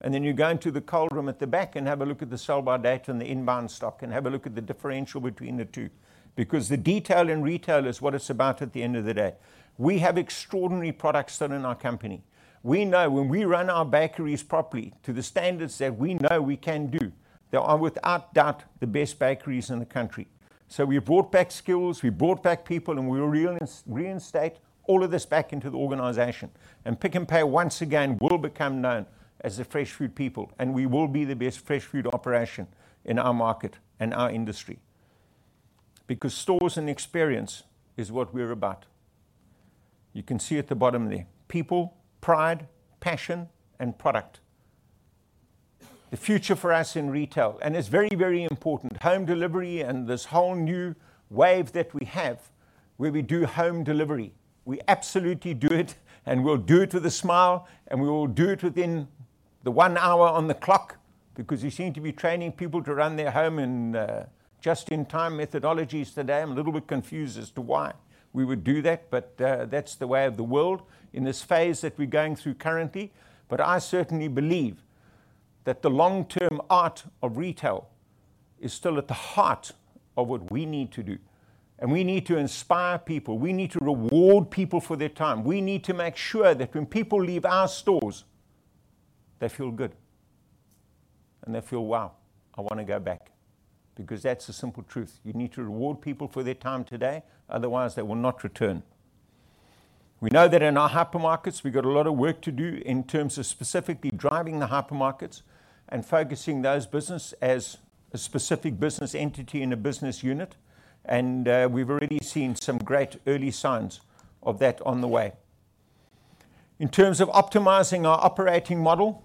and then you go into the cold room at the back and have a look at the sell by date on the inbound stock, and have a look at the differential between the two. Because the detail in retail is what it's about at the end of the day. We have extraordinary products that are in our company. We know when we run our bakeries properly to the standards that we know we can do, they are, without doubt, the best bakeries in the country. So we've brought back skills, we've brought back people, and we will reinstate all of this back into the organization. And Pick n Pay, once again, will become known as the fresh food people, and we will be the best fresh food operation in our market and our industry. Because stores and experience is what we're about. You can see at the bottom there, people, pride, passion, and product. The future for us in retail, and it's very, very important, home delivery and this whole new wave that we have, where we do home delivery. We absolutely do it, and we'll do it with a smile, and we will do it within the one hour on the clock, because you seem to be training people to run their home in just-in-time methodologies today. I'm a little bit confused as to why we would do that, but, that's the way of the world in this phase that we're going through currently. But I certainly believe that the long-term art of retail is still at the heart of what we need to do, and we need to inspire people. We need to reward people for their time. We need to make sure that when people leave our stores, they feel good, and they feel, "Wow, I want to go back," because that's the simple truth. You need to reward people for their time today, otherwise, they will not return. We know that in our hypermarkets, we've got a lot of work to do in terms of specifically driving the hypermarkets and focusing those business as a specific business entity and a business unit, and we've already seen some great early signs of that on the way. In terms of optimizing our operating model,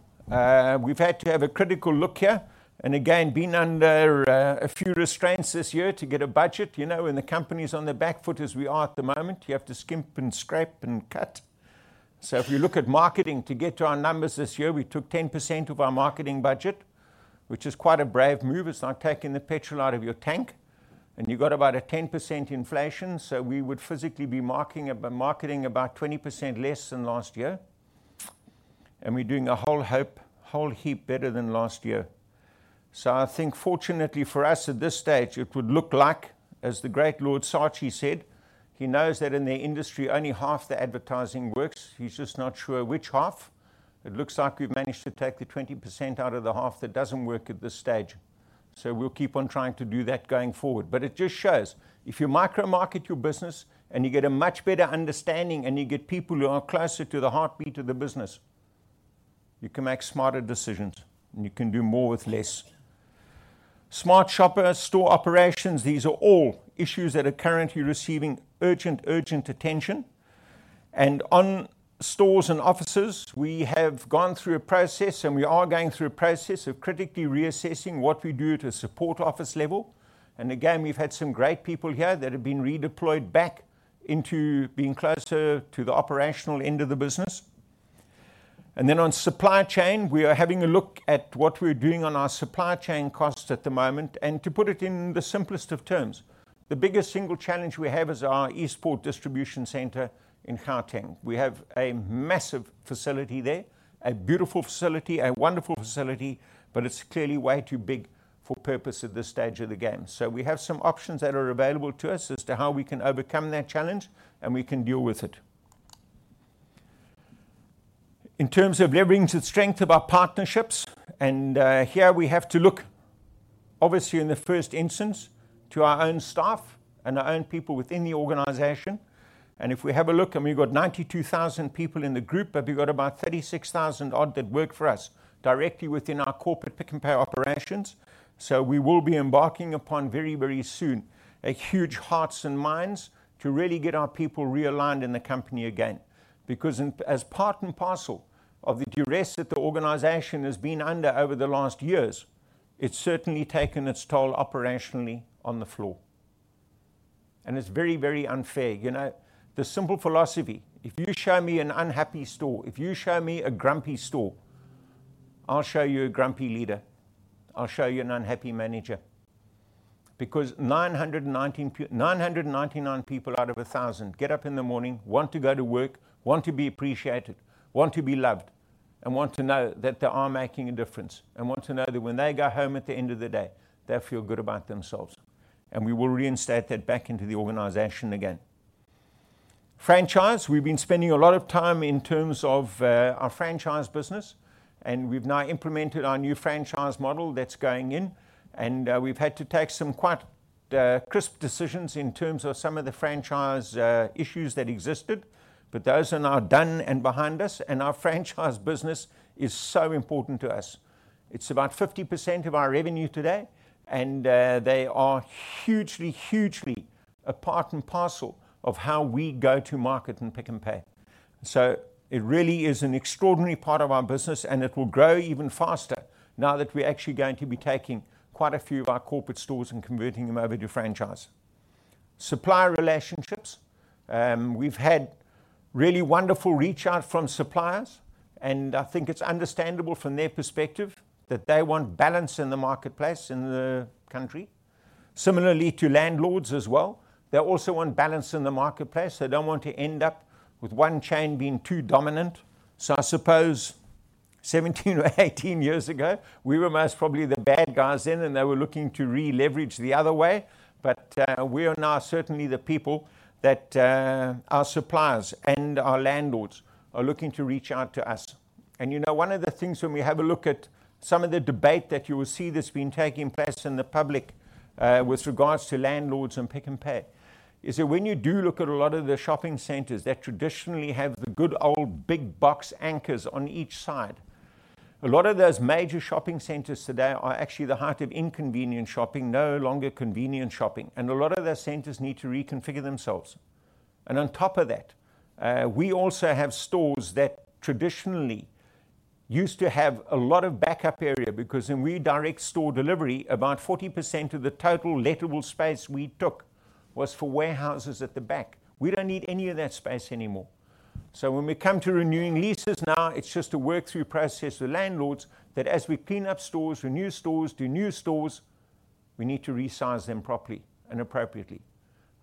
we've had to have a critical look here, and again, been under a few restraints this year to get a budget. You know, when the company's on the back foot, as we are at the moment, you have to skimp and scrape and cut. So if you look at marketing, to get to our numbers this year, we took 10% of our marketing budget, which is quite a brave move. It's like taking the petrol out of your tank, and you got about a 10% inflation, so we would physically be marketing about 20% less than last year, and we're doing a whole heap better than last year. So I think fortunately for us at this stage, it would look like, as the great Lord Saatchi said, he knows that in the industry, only half the advertising works. He's just not sure which half. It looks like we've managed to take the 20% out of the half that doesn't work at this stage. So we'll keep on trying to do that going forward. But it just shows if you micro market your business and you get a much better understanding, and you get people who are closer to the heartbeat of the business, you can make smarter decisions, and you can do more with less. Smart Shopper, store operations, these are all issues that are currently receiving urgent, urgent attention. And on stores and offices, we have gone through a process, and we are going through a process of critically reassessing what we do at a support office level. And again, we've had some great people here that have been redeployed back into being closer to the operational end of the business. And then on supply chain, we are having a look at what we're doing on our supply chain costs at the moment. To put it in the simplest of terms, the biggest single challenge we have is our Eastport distribution center in Gauteng. We have a massive facility there, a beautiful facility, a wonderful facility, but it's clearly way too big for purpose at this stage of the game. So we have some options that are available to us as to how we can overcome that challenge, and we can deal with it. In terms of leveraging the strength of our partnerships, and, here we have to look, obviously, in the first instance, to our own staff and our own people within the organization. And if we have a look, and we've got 92,000 people in the group, but we've got about 36,000 odd that work for us directly within our corporate Pick n Pay operations. So we will be embarking upon very, very soon, a huge hearts and minds to really get our people realigned in the company again. Because as part and parcel of the duress that the organization has been under over the last years, it's certainly taken its toll operationally on the floor, and it's very, very unfair. You know, the simple philosophy, if you show me an unhappy store, if you show me a grumpy store, I'll show you a grumpy leader. I'll show you an unhappy manager. Because 999 people out of 1,000 get up in the morning, want to go to work, want to be appreciated, want to be loved, and want to know that they are making a difference, and want to know that when they go home at the end of the day, they feel good about themselves, and we will reinstate that back into the organization again. Franchise, we've been spending a lot of time in terms of our franchise business, and we've now implemented our new franchise model that's going in, and we've had to take some quite crisp decisions in terms of some of the franchise issues that existed, but those are now done and behind us, and our franchise business is so important to us. It's about 50% of our revenue today, and they are hugely, hugely a part and parcel of how we go to market in Pick n Pay. So it really is an extraordinary part of our business, and it will grow even faster now that we're actually going to be taking quite a few of our corporate stores and converting them over to franchise. Supplier relationships. We've had really wonderful reach out from suppliers, and I think it's understandable from their perspective that they want balance in the marketplace, in the country. Similarly to landlords as well, they also want balance in the marketplace. They don't want to end up with one chain being too dominant. So I suppose 17 or 18 years ago, we were most probably the bad guys then, and they were looking to re-leverage the other way. But, we are now certainly the people that our suppliers and our landlords are looking to reach out to us. And, you know, one of the things when we have a look at some of the debate that you will see that's been taking place in the public, with regards to landlords and Pick n Pay, is that when you do look at a lot of the shopping centers that traditionally have the good old big box anchors on each side, a lot of those major shopping centers today are actually the height of inconvenient shopping, no longer convenient shopping, and a lot of those centers need to reconfigure themselves. On top of that, we also have stores that traditionally used to have a lot of backup area because when we direct store delivery, about 40% of the total lettable space we took was for warehouses at the back. We don't need any of that space anymore. So when we come to renewing leases now, it's just a work-through process with landlords that as we clean up stores, renew stores, do new stores, we need to resize them properly and appropriately.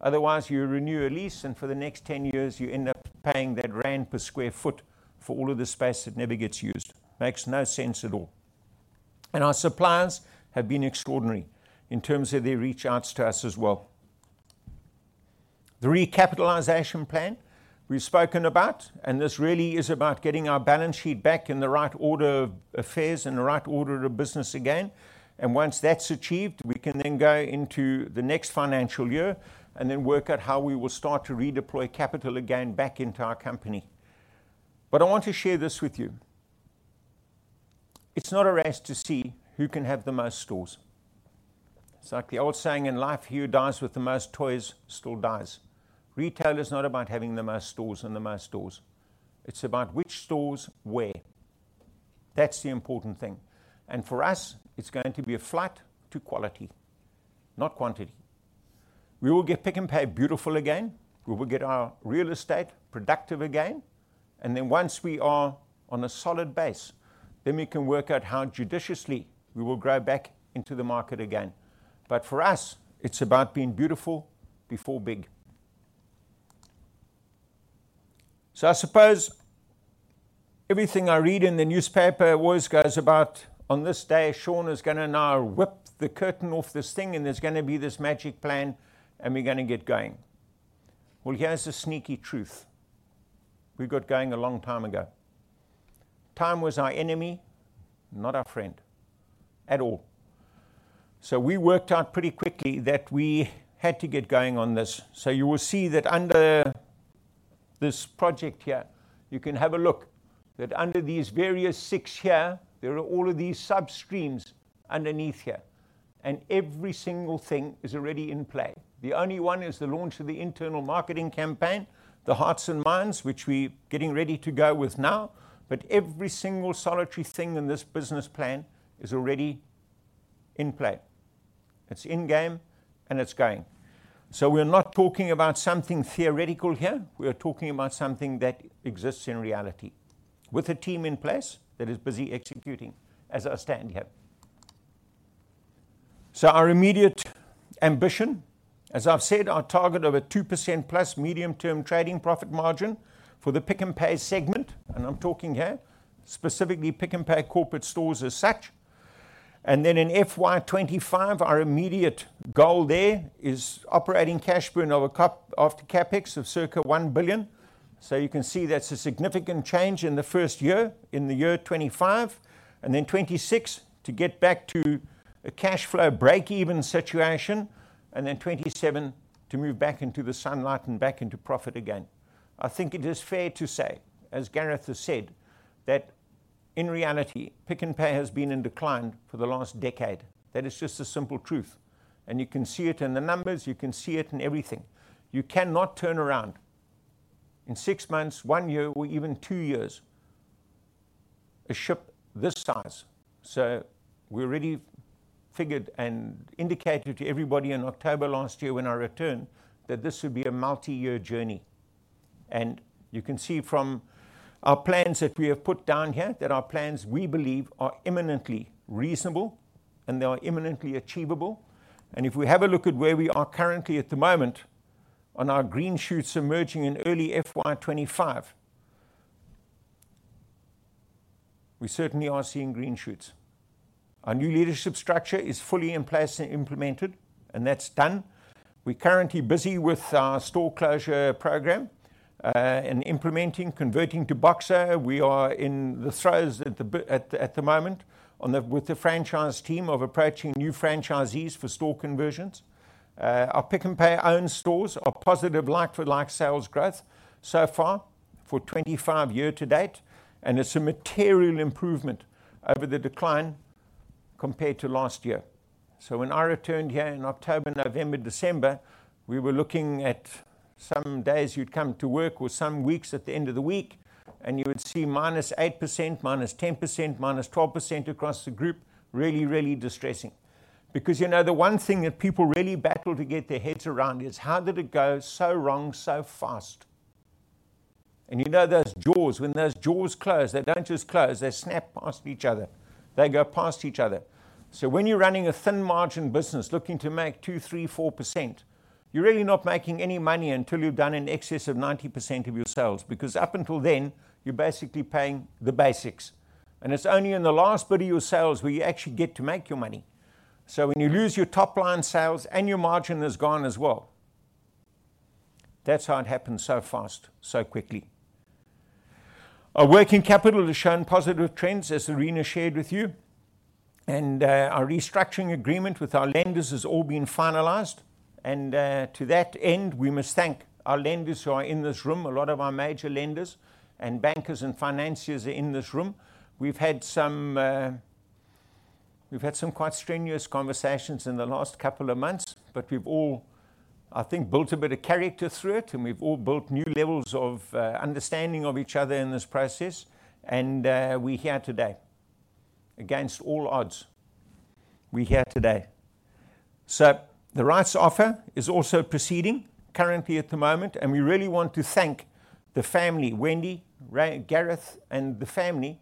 Otherwise, you renew a lease, and for the next 10 years, you end up paying that ZAR per sq ft for all of the space that never gets used. Makes no sense at all. And our suppliers have been extraordinary in terms of their reach outs to us as well. The recapitalization plan we've spoken about, and this really is about getting our balance sheet back in the right order of affairs and the right order of business again, and once that's achieved, we can then go into the next financial year and then work out how we will start to redeploy capital again back into our company. But I want to share this with you. It's not a race to see who can have the most stores. It's like the old saying in life, who dies with the most toys, still dies. Retail is not about having the most stores and the most stores. It's about which stores where. That's the important thing. And for us, it's going to be a flight to quality, not quantity. We will get Pick n Pay beautiful again. We will get our real estate productive again, and then once we are on a solid base, then we can work out how judiciously we will grow back into the market again. But for us, it's about being beautiful before big. So I suppose everything I read in the newspaper always goes about, "On this day, Sean is gonna now whip the curtain off this thing, and there's gonna be this magic plan, and we're gonna get going." Well, here's the sneaky truth: We got going a long time ago. Time was our enemy, not our friend, at all. So we worked out pretty quickly that we had to get going on this. So you will see that under this project here, you can have a look, that under these various six here, there are all of these sub screens underneath here, and every single thing is already in play. The only one is the launch of the internal marketing campaign, the hearts and minds, which we're getting ready to go with now. But every single solitary thing in this business plan is already in play. It's in-game, and it's going. So we're not talking about something theoretical here. We are talking about something that exists in reality, with a team in place that is busy executing as I stand here. So our immediate ambition, as I've said, our target of a 2%+ medium-term trading profit margin for the Pick n Pay segment, and I'm talking here specifically Pick n Pay corporate stores as such. And then in FY 2025, our immediate goal there is operating cash burn after CapEx of circa 1 billion. So you can see that's a significant change in the first year, in the year 2025, and then 2026, to get back to a cash flow breakeven situation, and then 2027, to move back into the sunlight and back into profit again. I think it is fair to say, as Gareth has said, that in reality, Pick n Pay has been in decline for the last decade. That is just the simple truth, and you can see it in the numbers, you can see it in everything. You cannot turn around in six months, one year, or even two years, a ship this size. So we already figured and indicated to everybody in October last year when I returned, that this would be a multi-year journey.... You can see from our plans that we have put down here, that our plans, we believe, are imminently reasonable, and they are imminently achievable. If we have a look at where we are currently at the moment, on our green shoots emerging in early FY 25, we certainly are seeing green shoots. Our new leadership structure is fully in place and implemented, and that's done. We're currently busy with our store closure program and implementing, converting to Boxer. We are in the throes at the moment with the franchise team of approaching new franchisees for store conversions. Our Pick n Pay owned stores are positive like-for-like sales growth so far for 25 year to date, and it's a material improvement over the decline compared to last year. So when I returned here in October, November, December, we were looking at some days you'd come to work or some weeks at the end of the week, and you would see -8%, -10%, -12% across the group. Really, really distressing. Because, you know, the one thing that people really battle to get their heads around is: how did it go so wrong, so fast? And you know those jaws, when those jaws close, they don't just close, they snap past each other. They go past each other. So when you're running a thin margin business, looking to make 2%, 3%, 4%, you're really not making any money until you've done in excess of 90% of your sales, because up until then, you're basically paying the basics. And it's only in the last bit of your sales where you actually get to make your money. So when you lose your top-line sales and your margin is gone as well, that's how it happened so fast, so quickly. Our working capital has shown positive trends, as Lerena shared with you, and, our restructuring agreement with our lenders has all been finalized, and, to that end, we must thank our lenders who are in this room. A lot of our major lenders and bankers and financiers are in this room. We've had some, we've had some quite strenuous conversations in the last couple of months, but we've all, I think, built a bit of character through it, and we've all built new levels of, understanding of each other in this process, and, we're here today. Against all odds, we're here today. So the rights offer is also proceeding currently at the moment, and we really want to thank the family, Wendy, Ray, Gareth, and the family,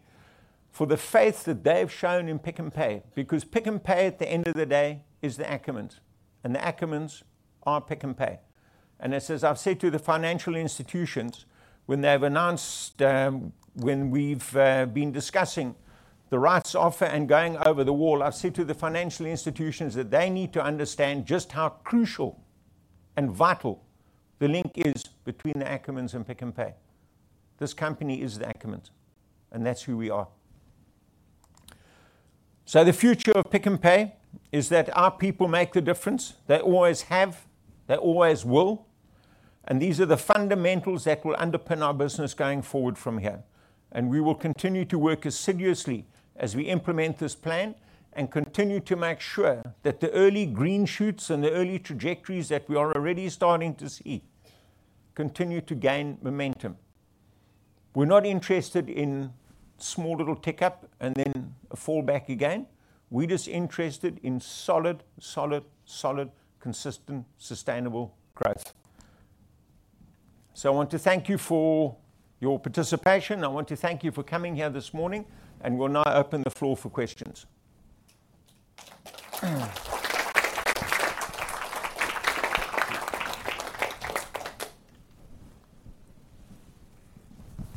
for the faith that they've shown in Pick n Pay, because Pick n Pay, at the end of the day, is the Ackermans, and the Ackermans are Pick n Pay. And as I've said to the financial institutions, when we've been discussing the rights offer and going over the wall, I've said to the financial institutions that they need to understand just how crucial and vital the link is between the Ackermans and Pick n Pay. This company is the Ackermans, and that's who we are. So the future of Pick n Pay is that our people make the difference. They always have, they always will, and these are the fundamentals that will underpin our business going forward from here. And we will continue to work as seriously as we implement this plan and continue to make sure that the early green shoots and the early trajectories that we are already starting to see continue to gain momentum. We're not interested in small, little tick up and then a fall back again. We're just interested in solid, solid, solid, consistent, sustainable growth. So I want to thank you for your participation. I want to thank you for coming here this morning, and we'll now open the floor for questions.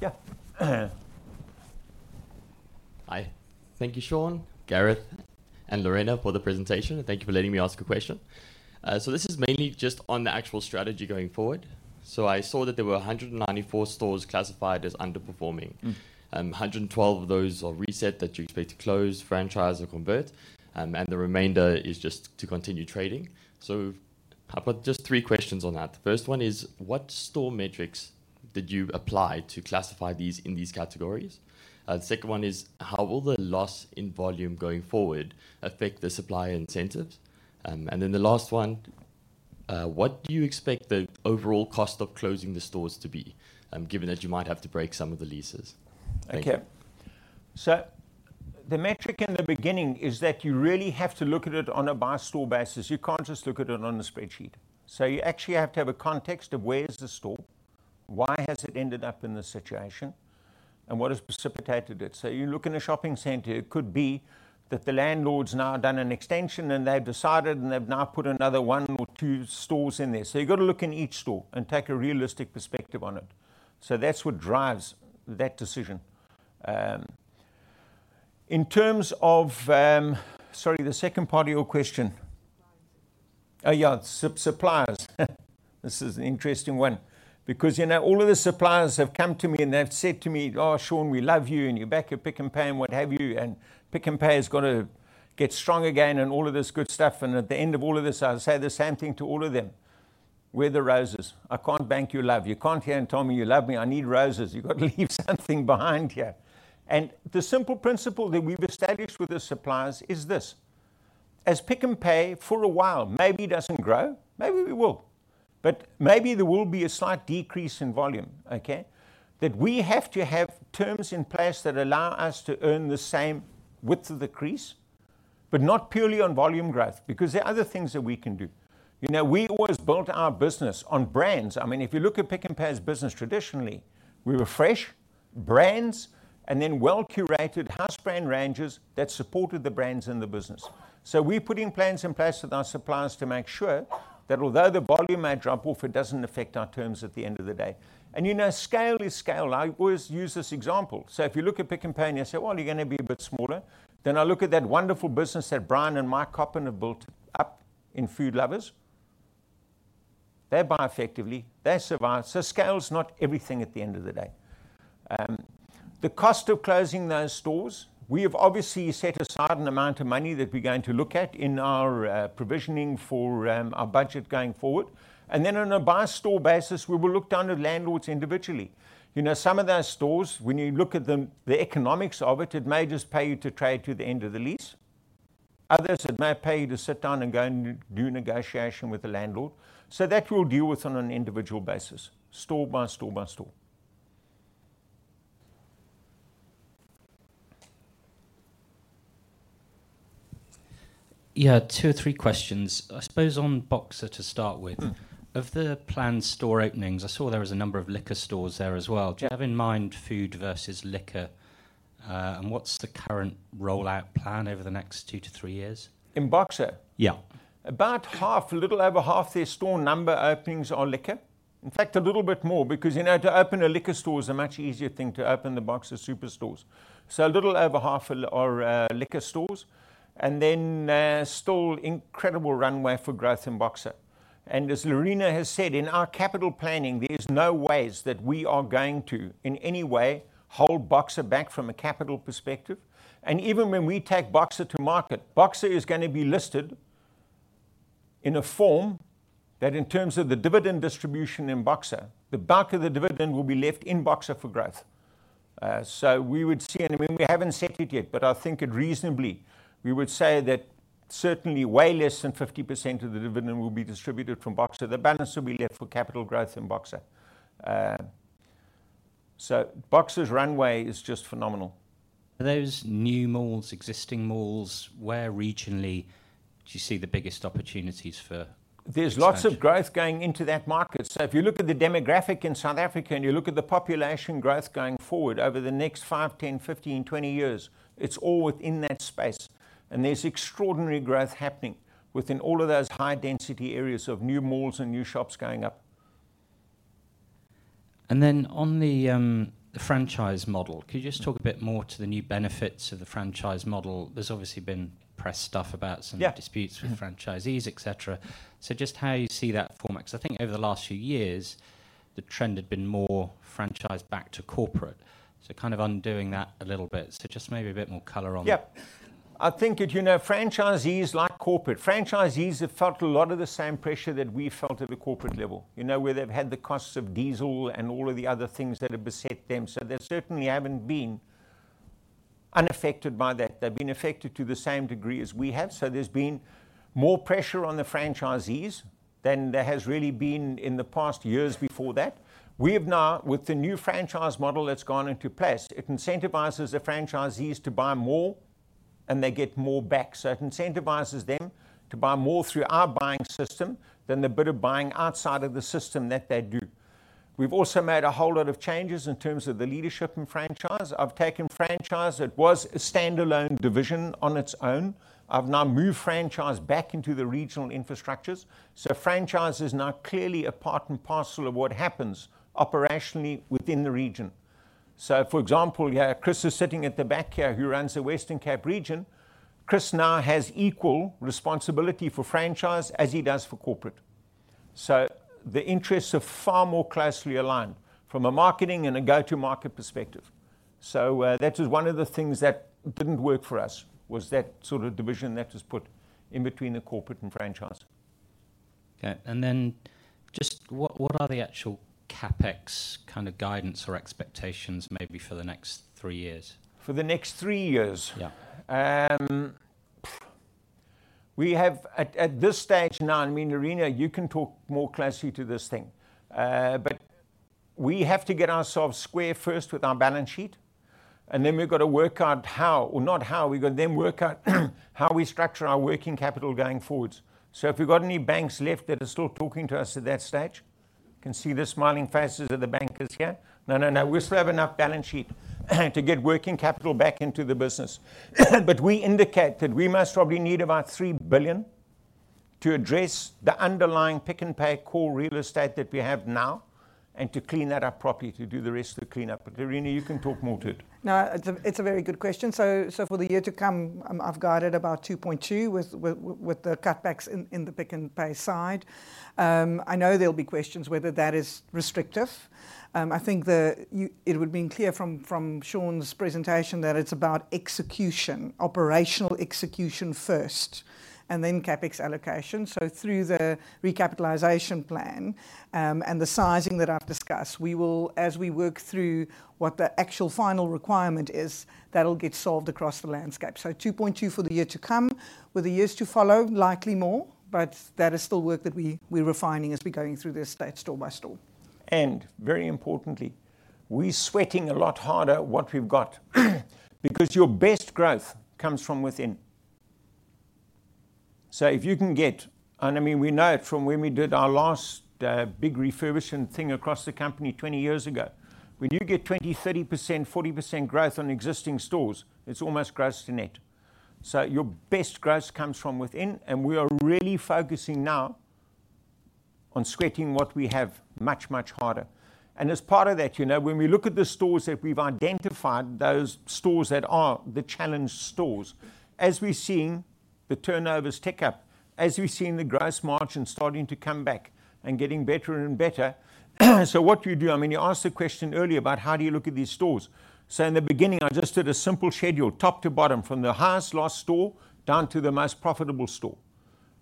Yeah. Hi. Thank you, Sean, Gareth, and Lerena, for the presentation, and thank you for letting me ask a question. So this is mainly just on the actual strategy going forward. So I saw that there were 194 stores classified as underperforming. Mm. 112 of those are reset, that you expect to close, franchise, or convert, and the remainder is just to continue trading. So I've got just three questions on that. The first one is: What store metrics did you apply to classify these in these categories? The second one is: How will the loss in volume going forward affect the supplier incentives? And then the last one: What do you expect the overall cost of closing the stores to be, given that you might have to break some of the leases? Thank you. Okay. So the metric in the beginning is that you really have to look at it on a by-store basis. You can't just look at it on a spreadsheet. So you actually have to have a context of where is the store, why has it ended up in this situation, and what has precipitated it? So you look in a shopping center, it could be that the landlord's now done an extension, and they've decided, and they've now put another one or two stores in there. So you've got to look in each store and take a realistic perspective on it. So that's what drives that decision. Sorry, the second part of your question? Supplier incentives. Oh, yeah, suppliers. This is an interesting one because, you know, all of the suppliers have come to me, and they've said to me, "Oh, Sean, we love you, and you're back at Pick n Pay," and what have you, and, "Pick n Pay has got to get strong again," and all of this good stuff, and at the end of all of this, I'll say the same thing to all of them: "Where are the roses? I can't bank your love. You can't here and tell me you love me. I need roses. You've got to leave something behind here." And the simple principle that we've established with the suppliers is this: as Pick n Pay, for a while, maybe doesn't grow, maybe we will. But maybe there will be a slight decrease in volume, okay? That we have to have terms in place that allow us to earn the same width of the crease, but not purely on volume growth, because there are other things that we can do. You know, we always built our business on brands. I mean, if you look at Pick n Pay's business, traditionally, we were fresh brands and then well-curated house brand ranges that supported the brands in the business. So we're putting plans in place with our suppliers to make sure that although the volume may drop off, it doesn't affect our terms at the end of the day. And, you know, scale is scale. I always use this example: so if you look at Pick n Pay and you say, "Well, you're gonna be a bit smaller," then I look at that wonderful business that Brian and Mike Coppin have built up in Food Lover's. They buy effectively, they survive, so scale's not everything at the end of the day. The cost of closing those stores, we have obviously set aside an amount of money that we're going to look at in our provisioning for our budget going forward. And then on a by-store basis, we will look down at landlords individually. You know, some of those stores, when you look at them, the economics of it, it may just pay you to trade to the end of the lease. Others, it may pay you to sit down and go and do negotiation with the landlord. So that we'll deal with on an individual basis, store by store by store. Yeah, two or three questions. I suppose on Boxer to start with. Mm. Of the planned store openings, I saw there was a number of liquor stores there as well. Yeah. Do you have in mind food versus liquor? And what's the current rollout plan over the next 2-3 years? In Boxer? Yeah. About half, a little over half their store number openings are liquor. In fact, a little bit more, because, you know, to open a liquor store is a much easier thing to open than Boxer Superstores. So a little over half are liquor stores, and then still incredible runway for growth in Boxer. And as Lerena has said, in our capital planning, there is no ways that we are going to, in any way, hold Boxer back from a capital perspective. And even when we take Boxer to market, Boxer is gonna be listed in a form that, in terms of the dividend distribution in Boxer, the bulk of the dividend will be left in Boxer for growth. So we would see, and we haven't set it yet, but I think it reasonably, we would say that certainly way less than 50% of the dividend will be distributed from Boxer. The balance will be left for capital growth in Boxer. So Boxer's runway is just phenomenal. Are those new malls, existing malls, where regionally do you see the biggest opportunities for expansion? There's lots of growth going into that market. So if you look at the demographic in South Africa, and you look at the population growth going forward over the next 5, 10, 15, 20 years, it's all within that space. And there's extraordinary growth happening within all of those high-density areas of new malls and new shops going up. And then on the franchise model, could you just talk a bit more to the new benefits of the franchise model? There's obviously been press stuff about some- Yeah... disputes with franchisees, et cetera. So just how you see that forming? Because I think over the last few years, the trend had been more franchised back to corporate, so kind of undoing that a little bit. So just maybe a bit more color on that. Yeah. I think that, you know, franchisees, like corporate, franchisees have felt a lot of the same pressure that we felt at a corporate level. You know, where they've had the costs of diesel and all of the other things that have beset them, so they certainly haven't been unaffected by that. They've been affected to the same degree as we have, so there's been more pressure on the franchisees than there has really been in the past years before that. We have now, with the new franchise model that's gone into place, it incentivizes the franchisees to buy more, and they get more back. So it incentivizes them to buy more through our buying system than the bit of buying outside of the system that they do. We've also made a whole lot of changes in terms of the leadership in franchise. I've taken franchise, it was a standalone division on its own. I've now moved franchise back into the regional infrastructures. So franchise is now clearly a part and parcel of what happens operationally within the region. So, for example, you have Chris, who's sitting at the back here, who runs the Western Cape region. Chris now has equal responsibility for franchise as he does for corporate. So the interests are far more closely aligned from a marketing and a go-to-market perspective. So, that is one of the things that didn't work for us, was that sort of division that was put in between the corporate and franchise. Okay, and then just what, what are the actual CapEx kind of guidance or expectations, maybe for the next three years? For the next three years? Yeah. At this stage now, I mean, Lerena, you can talk more closely to this thing. But we have to get ourselves square first with our balance sheet, and then we've got to work out how, or not how, we've got to then work out how we structure our working capital going forwards. So if you've got any banks left that are still talking to us at that stage, can see the smiling faces of the bankers here. No, no, no, we still have enough balance sheet to get working capital back into the business. But we indicate that we most probably need about 3 billion to address the underlying Pick n Pay core real estate that we have now, and to clean that up properly, to do the rest of the cleanup. But, Lerena, you can talk more to it. No, it's a very good question. So for the year to come, I've guided about 2.2 with the cutbacks in the Pick n Pay side. I know there'll be questions whether that is restrictive. I think it would have been clear from Sean's presentation that it's about execution, operational execution first, and then CapEx allocation. So through the recapitalization plan, and the sizing that I've discussed, we will, as we work through what the actual final requirement is, that'll get solved across the landscape. So 2.2 for the year to come, with the years to follow, likely more, but that is still work that we, we're refining as we're going through this stage, store by store.... and very importantly, we're sweating a lot harder what we've got because your best growth comes from within. So if you can get, and, I mean, we know it from when we did our last big refurbishing thing across the company 20 years ago. When you get 20, 30%, 40% growth on existing stores, it's almost gross to net. So your best growth comes from within, and we are really focusing now on sweating what we have much, much harder. And as part of that, you know, when we look at the stores that we've identified, those stores that are the challenged stores, as we're seeing the turnovers tick up, as we're seeing the gross margin starting to come back and getting better and better. So what do you do? I mean, you asked the question earlier about how do you look at these stores? So in the beginning, I just did a simple schedule, top to bottom, from the highest loss store down to the most profitable store.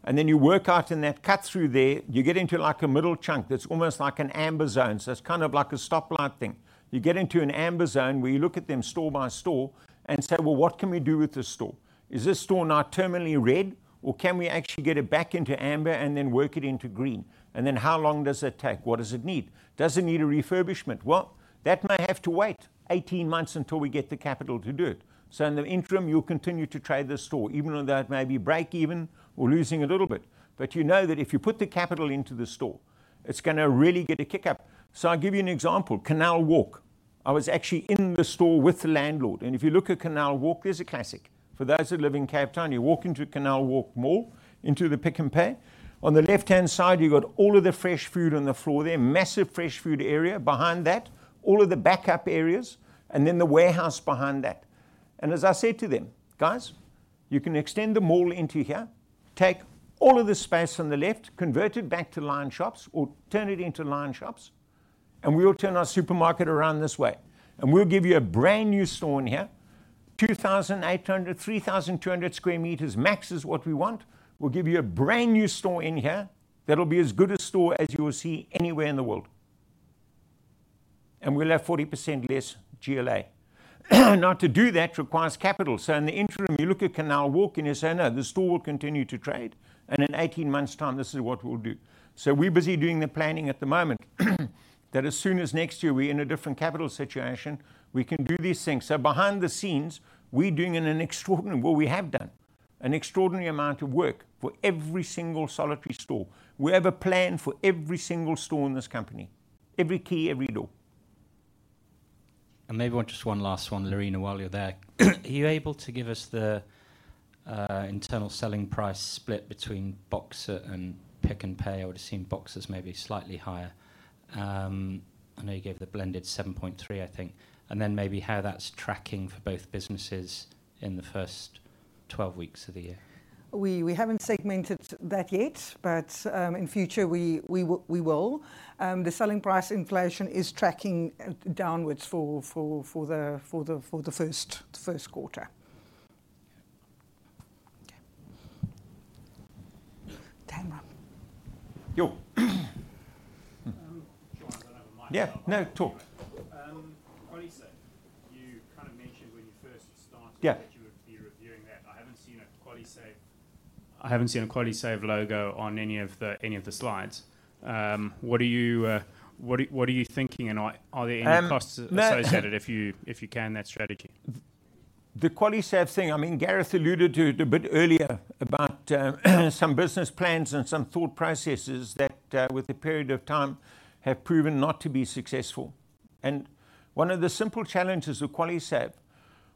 And then you work out in that cut-through there, you get into, like, a middle chunk that's almost like an amber zone, so it's kind of like a stoplight thing. You get into an amber zone, where you look at them store by store and say: Well, what can we do with this store? Is this store now terminally red, or can we actually get it back into amber and then work it into green? And then, how long does it take? What does it need? Does it need a refurbishment? Well, that may have to wait 18 months until we get the capital to do it, so in the interim, you'll continue to trade the store, even though it may be break even or losing a little bit. But you know that if you put the capital into the store, it's gonna really get a kick-up. So I'll give you an example. Canal Walk. I was actually in the store with the landlord, and if you look at Canal Walk, there's a classic. For those that live in Cape Town, you walk into Canal Walk Mall, into the Pick n Pay. On the left-hand side, you've got all of the fresh food on the floor there, massive fresh food area. Behind that, all of the backup areas, and then the warehouse behind that. As I said to them: "Guys, you can extend the mall into here, take all of the space on the left, convert it back to line shops or turn it into line shops, and we'll turn our supermarket around this way. We'll give you a brand-new store in here, 2,800-3,200 square meters max is what we want. We'll give you a brand-new store in here that'll be as good a store as you will see anywhere in the world. And we'll have 40% less GLA. Now, to do that requires capital, so in the interim, you look at Canal Walk, and you say, "No, the store will continue to trade, and in 18 months' time, this is what we'll do." So we're busy doing the planning at the moment, that as soon as next year, we're in a different capital situation, we can do these things. So behind the scenes, we're doing an extraordinary... Well, we have done an extraordinary amount of work for every single solitary store. We have a plan for every single store in this company, every key, every door. And maybe just one last one, Lerena, while you're there. Are you able to give us the internal selling price split between Boxer and Pick n Pay? I would've seen Boxer as maybe slightly higher. I know you gave the blended 7.3, I think, and then maybe how that's tracking for both businesses in the first 12 weeks of the year. We haven't segmented that yet, but in future, we will. The selling price inflation is tracking downwards for the first quarter. Okay. Tamara? Yo. Sure, I don't have a mic. Yeah. No, talk. QualiSave, you kind of mentioned when you first started. Yeah... that you would be reviewing that. I haven't seen a QualiSave, I haven't seen a QualiSave logo on any of the slides. What are you thinking, and are there any costs- Um, that- associated, if you can, that strategy? The QualiSave thing, I mean, Gareth alluded to it a bit earlier about some business plans and some thought processes that with a period of time, have proven not to be successful. And one of the simple challenges with QualiSave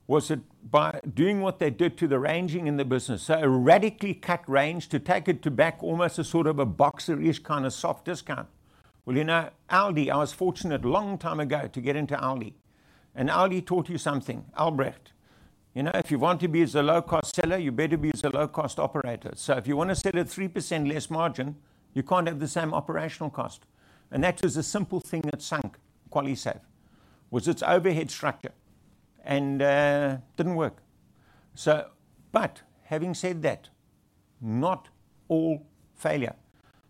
was that by doing what they did to the ranging in the business, so a radically cut range to take it to back almost a sort of a Boxer-ish kind of soft discount. Well, you know, Aldi, I was fortunate a long time ago to get into Aldi, and Aldi taught you something, Albrecht. You know, if you want to be as a low-cost seller, you better be as a low-cost operator. So if you want to sell at 3% less margin, you can't have the same operational cost, and that was the simple thing that sunk QualiSave, was its overhead structure, and didn't work. So, but having said that, not all failure.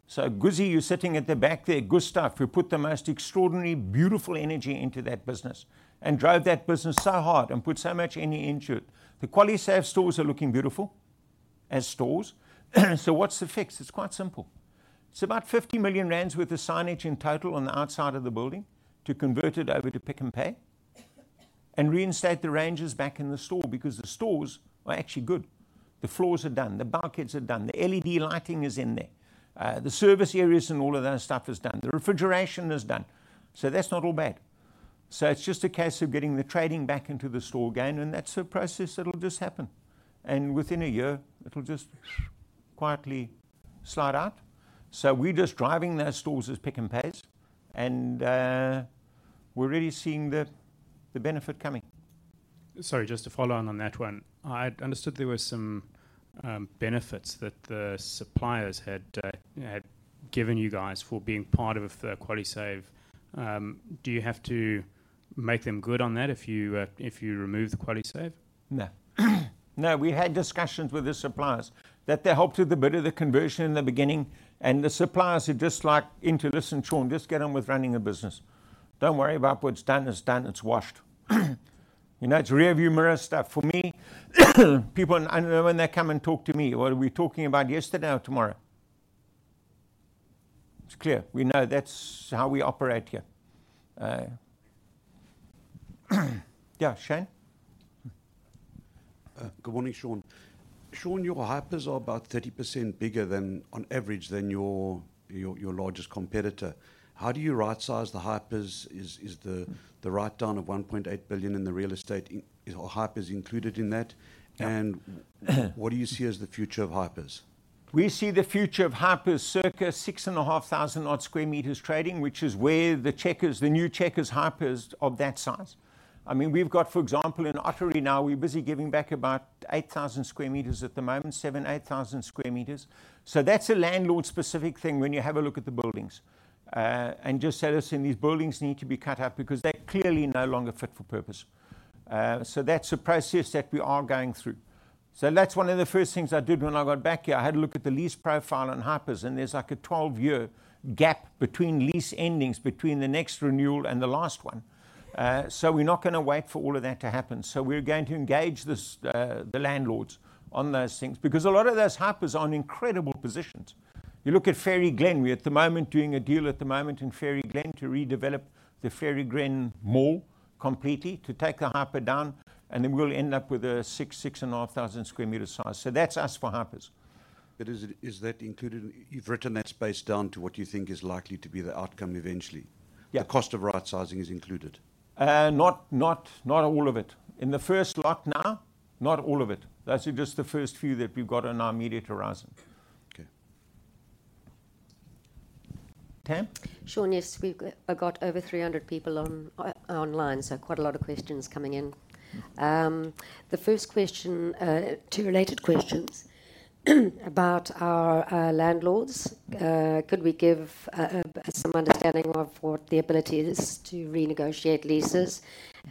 So Guzzi, you're sitting at the back there, good stuff. You put the most extraordinary, beautiful energy into that business and drove that business so hard and put so much energy into it. The QualiSave stores are looking beautiful, as stores. So what's the fix? It's quite simple. It's about 50 million rand worth of signage in total on the outside of the building to convert it over to Pick n Pay and reinstate the ranges back in the store, because the stores are actually good. The floors are done, the baskets are done, the LED lighting is in there, the service areas and all of that stuff is done, the refrigeration is done. So that's not all bad. So it's just a case of getting the trading back into the store again, and that's a process that'll just happen. Within a year, it'll just quietly slide out. So we're just driving those stores as Pick n Pays, and we're really seeing the benefit coming. Sorry, just to follow on that one. I'd understood there were some benefits that the suppliers had given you guys for being part of QualiSave. Do you have to make them good on that if you remove the QualiSave? No. No, we had discussions with the suppliers, that they helped with a bit of the conversion in the beginning, and the suppliers are just like, "Into this and Sean, just get on with running a business. Don't worry about what's done, it's done, it's washed." You know, it's rear view mirror stuff for me. People, I, I know when they come and talk to me, are we talking about yesterday or tomorrow? It's clear. We know that's how we operate here. Yeah, Shane? Good morning, Sean. Sean, your Hypers are about 30% bigger than, on average, your largest competitor. How do you right-size the Hypers? Is the write-down of 1.8 billion in the real estate in... or Hypers included in that? Yeah. What do you see as the future of Hypers? We see the future of Hyper circa 6,500 odd square meters trading, which is where the Checkers, the new Checkers Hyper is of that size. I mean, we've got, for example, in Ottery now, we're busy giving back about 8,000 square meters at the moment, 7,000-8,000 square meters. So that's a landlord-specific thing when you have a look at the buildings. And just say to us, "These buildings need to be cut up because they're clearly no longer fit for purpose." So that's a process that we are going through. So that's one of the first things I did when I got back here. I had to look at the lease profile on Hypers, and there's, like, a 12-year gap between lease endings, between the next renewal and the last one. So we're not gonna wait for all of that to happen. So we're going to engage the landlords on those things, because a lot of those Hypers are in incredible positions. You look at Fairy Glen, we're at the moment doing a deal at the moment in Fairy Glen to redevelop the Fairy Glen Mall completely, to take the Hyper down, and then we'll end up with a 6,000-6,500 square meter size. So that's us for Hypers. But is that included? You've written that space down to what you think is likely to be the outcome eventually? Yeah. The cost of right-sizing is included? Not all of it. In the first lot now, not all of it. That's just the first few that we've got on our immediate horizon. Okay. Tam? Sean, yes, we've got over 300 people on online, so quite a lot of questions coming in. The first question, two related questions, about our landlords. Could we give some understanding of what the ability is to renegotiate leases?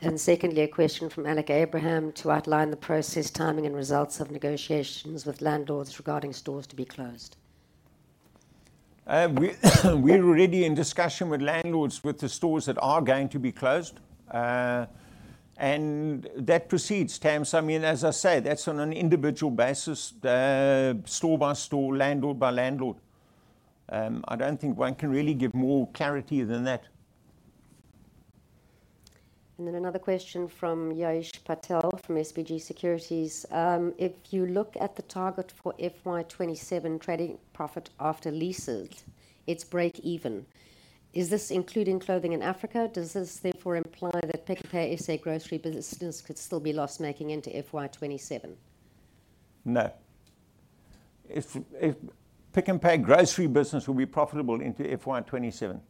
And secondly, a question from Alec Abraham, to outline the process, timing, and results of negotiations with landlords regarding stores to be closed. We're already in discussion with landlords, with the stores that are going to be closed, and that proceeds, Tam. So I mean, as I say, that's on an individual basis, store by store, landlord by landlord. I don't think one can really give more clarity than that. Another question from Ya'ish Patel, from SBG Securities: If you look at the target for FY 2027 trading profit after leases, it's break even. Is this including clothing in Africa? Does this therefore imply that Pick n Pay SA grocery business could still be loss-making into FY 2027? No. If Pick n Pay grocery business will be profitable into FY 2027.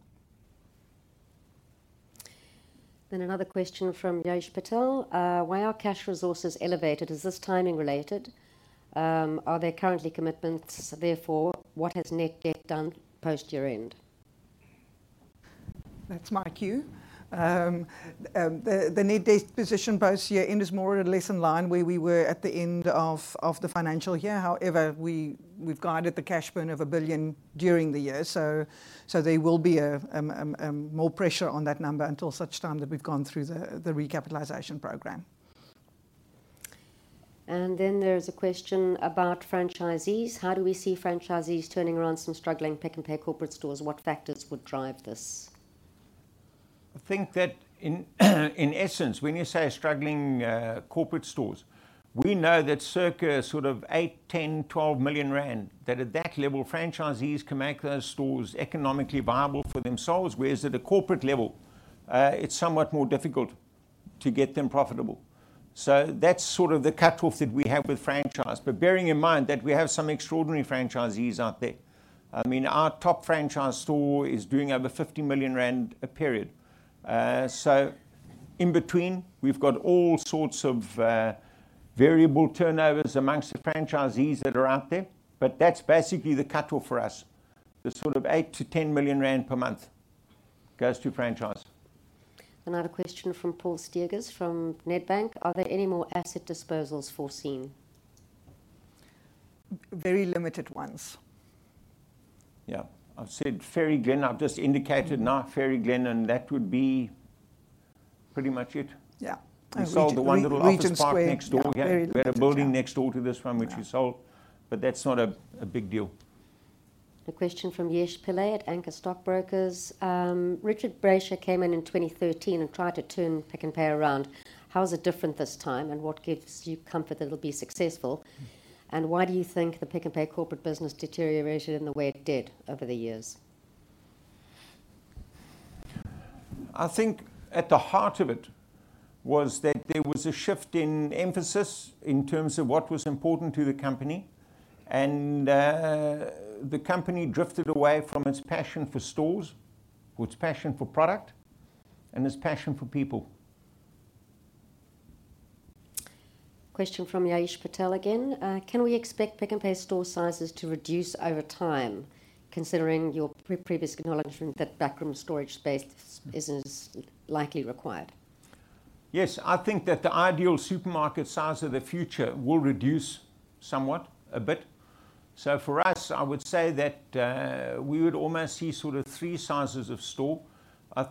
Then another question from Ya'ish Patel: Why are cash resources elevated? Is this timing related? Are there currently commitments? Therefore, what has net debt done post year-end? That's my cue. The net debt position post year-end is more or less in line where we were at the end of the financial year. However, we've guided the cash burn of 1 billion during the year, so there will be a more pressure on that number until such time that we've gone through the recapitalization program. There is a question about franchisees. How do we see franchisees turning around some struggling Pick n Pay corporate stores? What factors would drive this? I think that in essence, when you say struggling corporate stores, we know that circa sort of 8, 10, 12 million rand, that at that level, franchisees can make those stores economically viable for themselves, whereas at a corporate level, it's somewhat more difficult to get them profitable. So that's sort of the cut-off that we have with franchise. But bearing in mind that we have some extraordinary franchisees out there. I mean, our top franchise store is doing over 50 million rand a period. So in between, we've got all sorts of variable turnovers amongst the franchisees that are out there, but that's basically the cut-off for us. The sort of 8-10 million rand per month goes to franchise. Another question from Paul Steegers from Nedbank: Are there any more asset disposals foreseen? Very limited ones. Yeah. I've said Fairy Glen. I've just indicated now Fairy Glen, and that would be pretty much it. Yeah. We sold the one little office park- Regent Square... next door. We had a building next door to this one, which we sold. Yeah... but that's not a big deal. A question from Yash Pillay at Anchor Stockbrokers: Richard Brasher came in in 2013 and tried to turn Pick n Pay around. How is it different this time, and what gives you comfort that it'll be successful? And why do you think the Pick n Pay corporate business deteriorated in the way it did over the years? I think at the heart of it was that there was a shift in emphasis in terms of what was important to the company, and the company drifted away from its passion for stores, its passion for product, and its passion for people. Question from Ya'ish Patel again: Can we expect Pick n Pay store sizes to reduce over time, considering your pre-previous acknowledgement that backroom storage space isn't as likely required? Yes, I think that the ideal supermarket size of the future will reduce somewhat, a bit. So for us, I would say that we would almost see sort of three sizes of store. I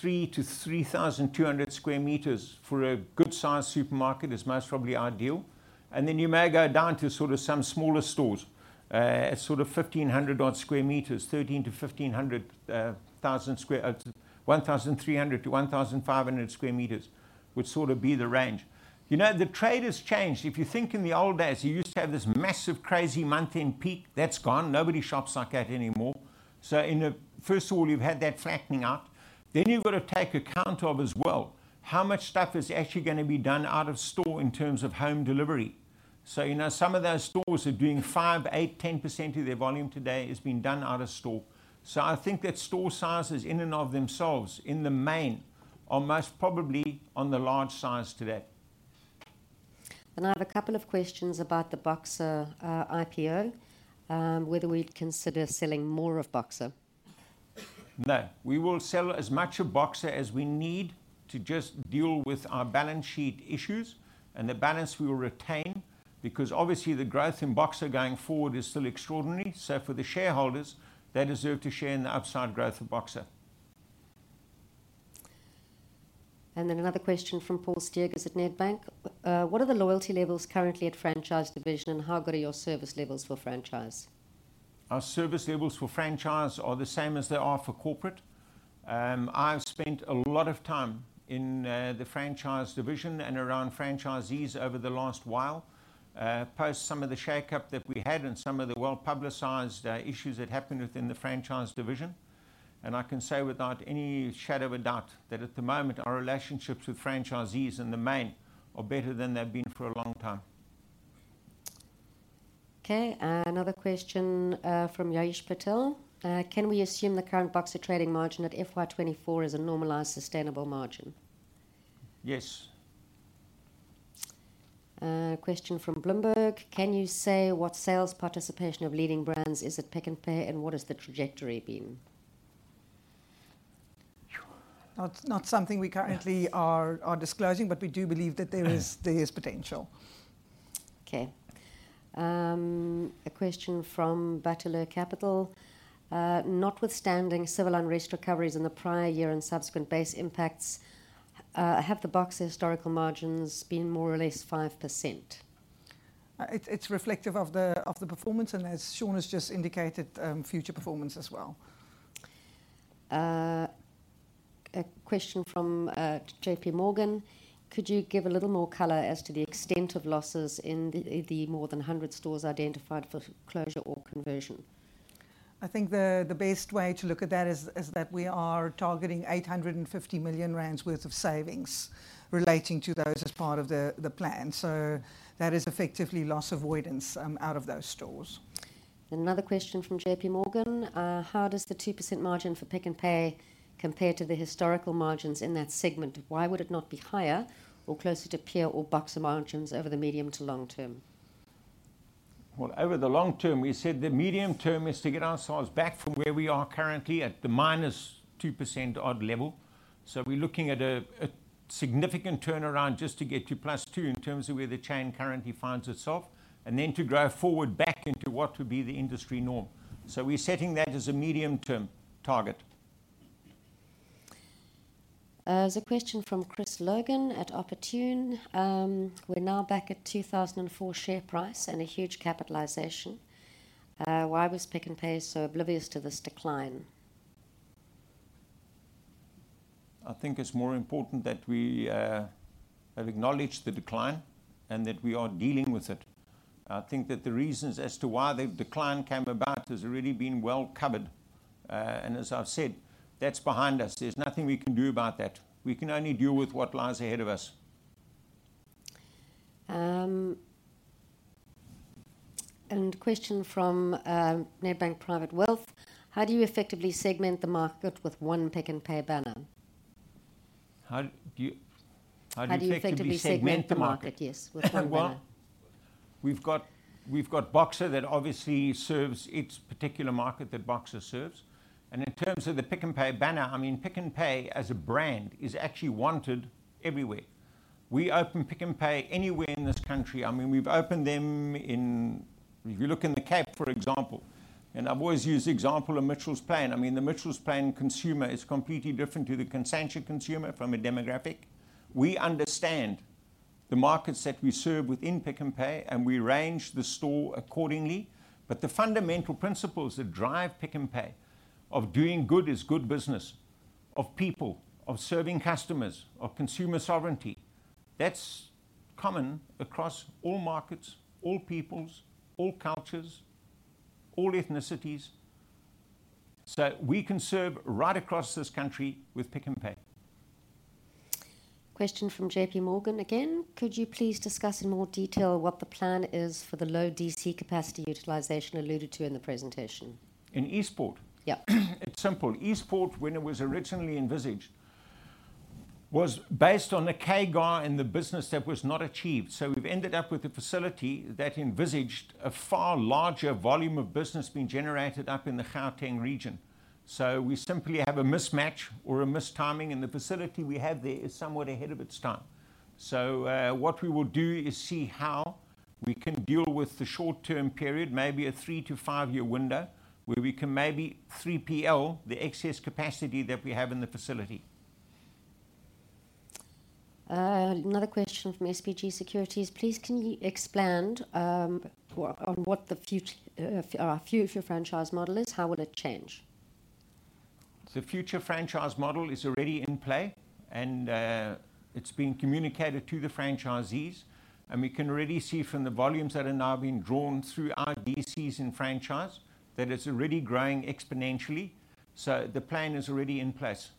think at 3-3,200 square meters for a good size supermarket is most probably ideal. And then you may go down to sort of some smaller stores at sort of 1,500 odd square meters, 1,300-1,500 square meters, would sort of be the range. You know, the trade has changed. If you think in the old days, you used to have this massive, crazy month-end peak, that's gone. Nobody shops like that anymore. So first of all, you've had that flattening out. Then you've got to take account of as well, how much stuff is actually gonna be done out of store in terms of home delivery. So, you know, some of those stores are doing 5, 8, 10% of their volume today is being done out of store. So I think that store sizes in and of themselves, in the main, are most probably on the large size today. I have a couple of questions about the Boxer IPO, whether we'd consider selling more of Boxer? No. We will sell as much of Boxer as we need to just deal with our balance sheet issues, and the balance we will retain, because obviously the growth in Boxer going forward is still extraordinary. So for the shareholders, they deserve to share in the upside growth of Boxer. Another question from Paul Steegers at Nedbank: "What are the loyalty levels currently at franchise division, and how good are your service levels for franchise? Our service levels for franchise are the same as they are for corporate. I've spent a lot of time in the franchise division and around franchisees over the last while, post some of the shakeup that we had and some of the well-publicized issues that happened within the franchise division. I can say without any shadow of a doubt, that at the moment, our relationships with franchisees in the main, are better than they've been for a long time. Okay, another question from Ya'ish Patel: "Can we assume the current Boxer trading margin at FY 2024 is a normalized, sustainable margin? Yes. Question from Bloomberg: "Can you say what sales participation of leading brands is at Pick n Pay, and what has the trajectory been? Not, not something we currently are- Yes... are disclosing, but we do believe that there is, there is potential. Okay. A question from Bateleur Capital: "Notwithstanding civil unrest recoveries in the prior year and subsequent base impacts, have the Boxer historical margins been more or less 5%? It's reflective of the performance, and as Sean has just indicated, future performance as well. A question from J.P. Morgan: "Could you give a little more color as to the extent of losses in the more than 100 stores identified for closure or conversion? I think the best way to look at that is that we are targeting 850 million rand worth of savings relating to those as part of the plan. So that is effectively loss avoidance out of those stores. Then another question from J.P. Morgan: "How does the 2% margin for Pick n Pay compare to the historical margins in that segment? Why would it not be higher or closer to peer or Boxer margins over the medium to long term? Well, over the long term, we said the medium term is to get ourselves back from where we are currently at the -2% odd level. So we're looking at a significant turnaround just to get to +2 in terms of where the chain currently finds itself, and then to grow forward back into what would be the industry norm. So we're setting that as a medium-term target. There's a question from Chris Logan at Opportune. "We're now back at 2004 share price and a huge capitalization. Why was Pick n Pay so oblivious to this decline? I think it's more important that we have acknowledged the decline and that we are dealing with it. I think that the reasons as to why the decline came about has already been well covered. And as I've said, that's behind us. There's nothing we can do about that. We can only deal with what lies ahead of us. Question from Nedbank Private Wealth: "How do you effectively segment the market with one Pick n Pay banner? How do you effectively segment the market? How do you effectively segment the market? Yes, with one banner. Well, we've got Boxer that obviously serves its particular market that Boxer serves. In terms of the Pick n Pay banner, I mean, Pick n Pay as a brand is actually wanted everywhere. We open Pick n Pay anywhere in this country. I mean, we've opened them in... If you look in the Cape, for example, and I've always used the example of Mitchells Plain. I mean, the Mitchells Plain consumer is completely different to the Constantia consumer from a demographic. We understand the markets that we serve within Pick n Pay, and we arrange the store accordingly. But the fundamental principles that drive Pick n Pay, of doing good is good business, of people, of serving customers, of consumer sovereignty, that's common across all markets, all peoples, all cultures, all ethnicities. So we can serve right across this country with Pick n Pay. Question from J.P. Morgan again: "Could you please discuss in more detail what the plan is for the low DC capacity utilization alluded to in the presentation? In Eastport? Yeah. It's simple. Eastport, when it was originally envisaged, was based on a CAGR in the business that was not achieved. So we've ended up with a facility that envisaged a far larger volume of business being generated up in the Gauteng region. So we simply have a mismatch or a mistiming, and the facility we have there is somewhat ahead of its time. So, what we will do is see how we can deal with the short-term period, maybe a 3-5-year window, where we can maybe 3PL the excess capacity that we have in the facility. Another question from SBG Securities: "Please, can you expand on what the future of your franchise model is? How would it change? The future franchise model is already in play, and it's been communicated to the franchisees, and we can already see from the volumes that are now being drawn through our DCs in franchise, that it's already growing exponentially. So the plan is already in place.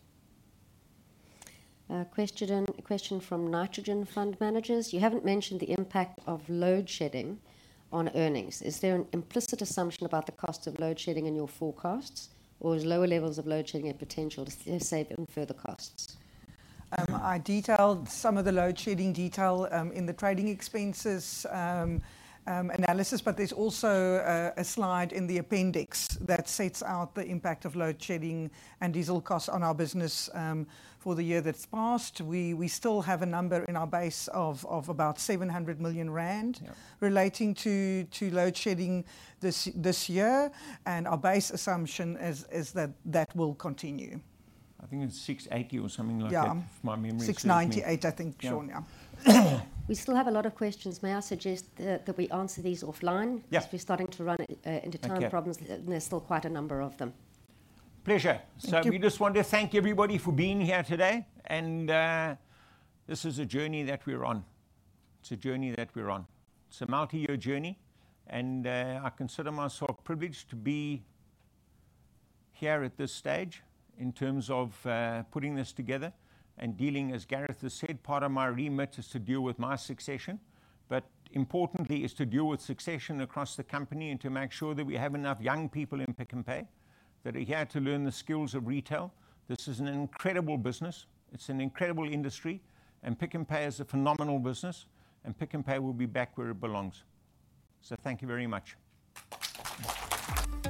A question from Nitrogen Fund Managers: "You haven't mentioned the impact of load shedding on earnings. Is there an implicit assumption about the cost of load shedding in your forecasts, or is lower levels of load shedding a potential to save on further costs? I detailed some of the load shedding detail in the trading expenses analysis, but there's also a slide in the appendix that sets out the impact of load shedding and diesel costs on our business for the year that's passed. We still have a number in our base of about 700 million rand- Yeah... relating to load shedding this year, and our base assumption is that will continue. I think it's 6.80 or something like that- Yeah... if my memory serves me. 6.98, I think, Sean. Yeah. We still have a lot of questions. May I suggest that we answer these offline? Yeah. Because we're starting to run into time problems. Okay... and there's still quite a number of them. Pleasure. Thank you. So we just want to thank everybody for being here today, and, this is a journey that we're on. It's a journey that we're on. It's a multi-year journey, and, I consider myself privileged to be here at this stage in terms of, putting this together and dealing, as Gareth has said, part of my remit is to deal with my succession, but importantly, is to deal with succession across the company and to make sure that we have enough young people in Pick n Pay, that are here to learn the skills of retail. This is an incredible business. It's an incredible industry, and Pick n Pay is a phenomenal business, and Pick n Pay will be back where it belongs. So thank you very much.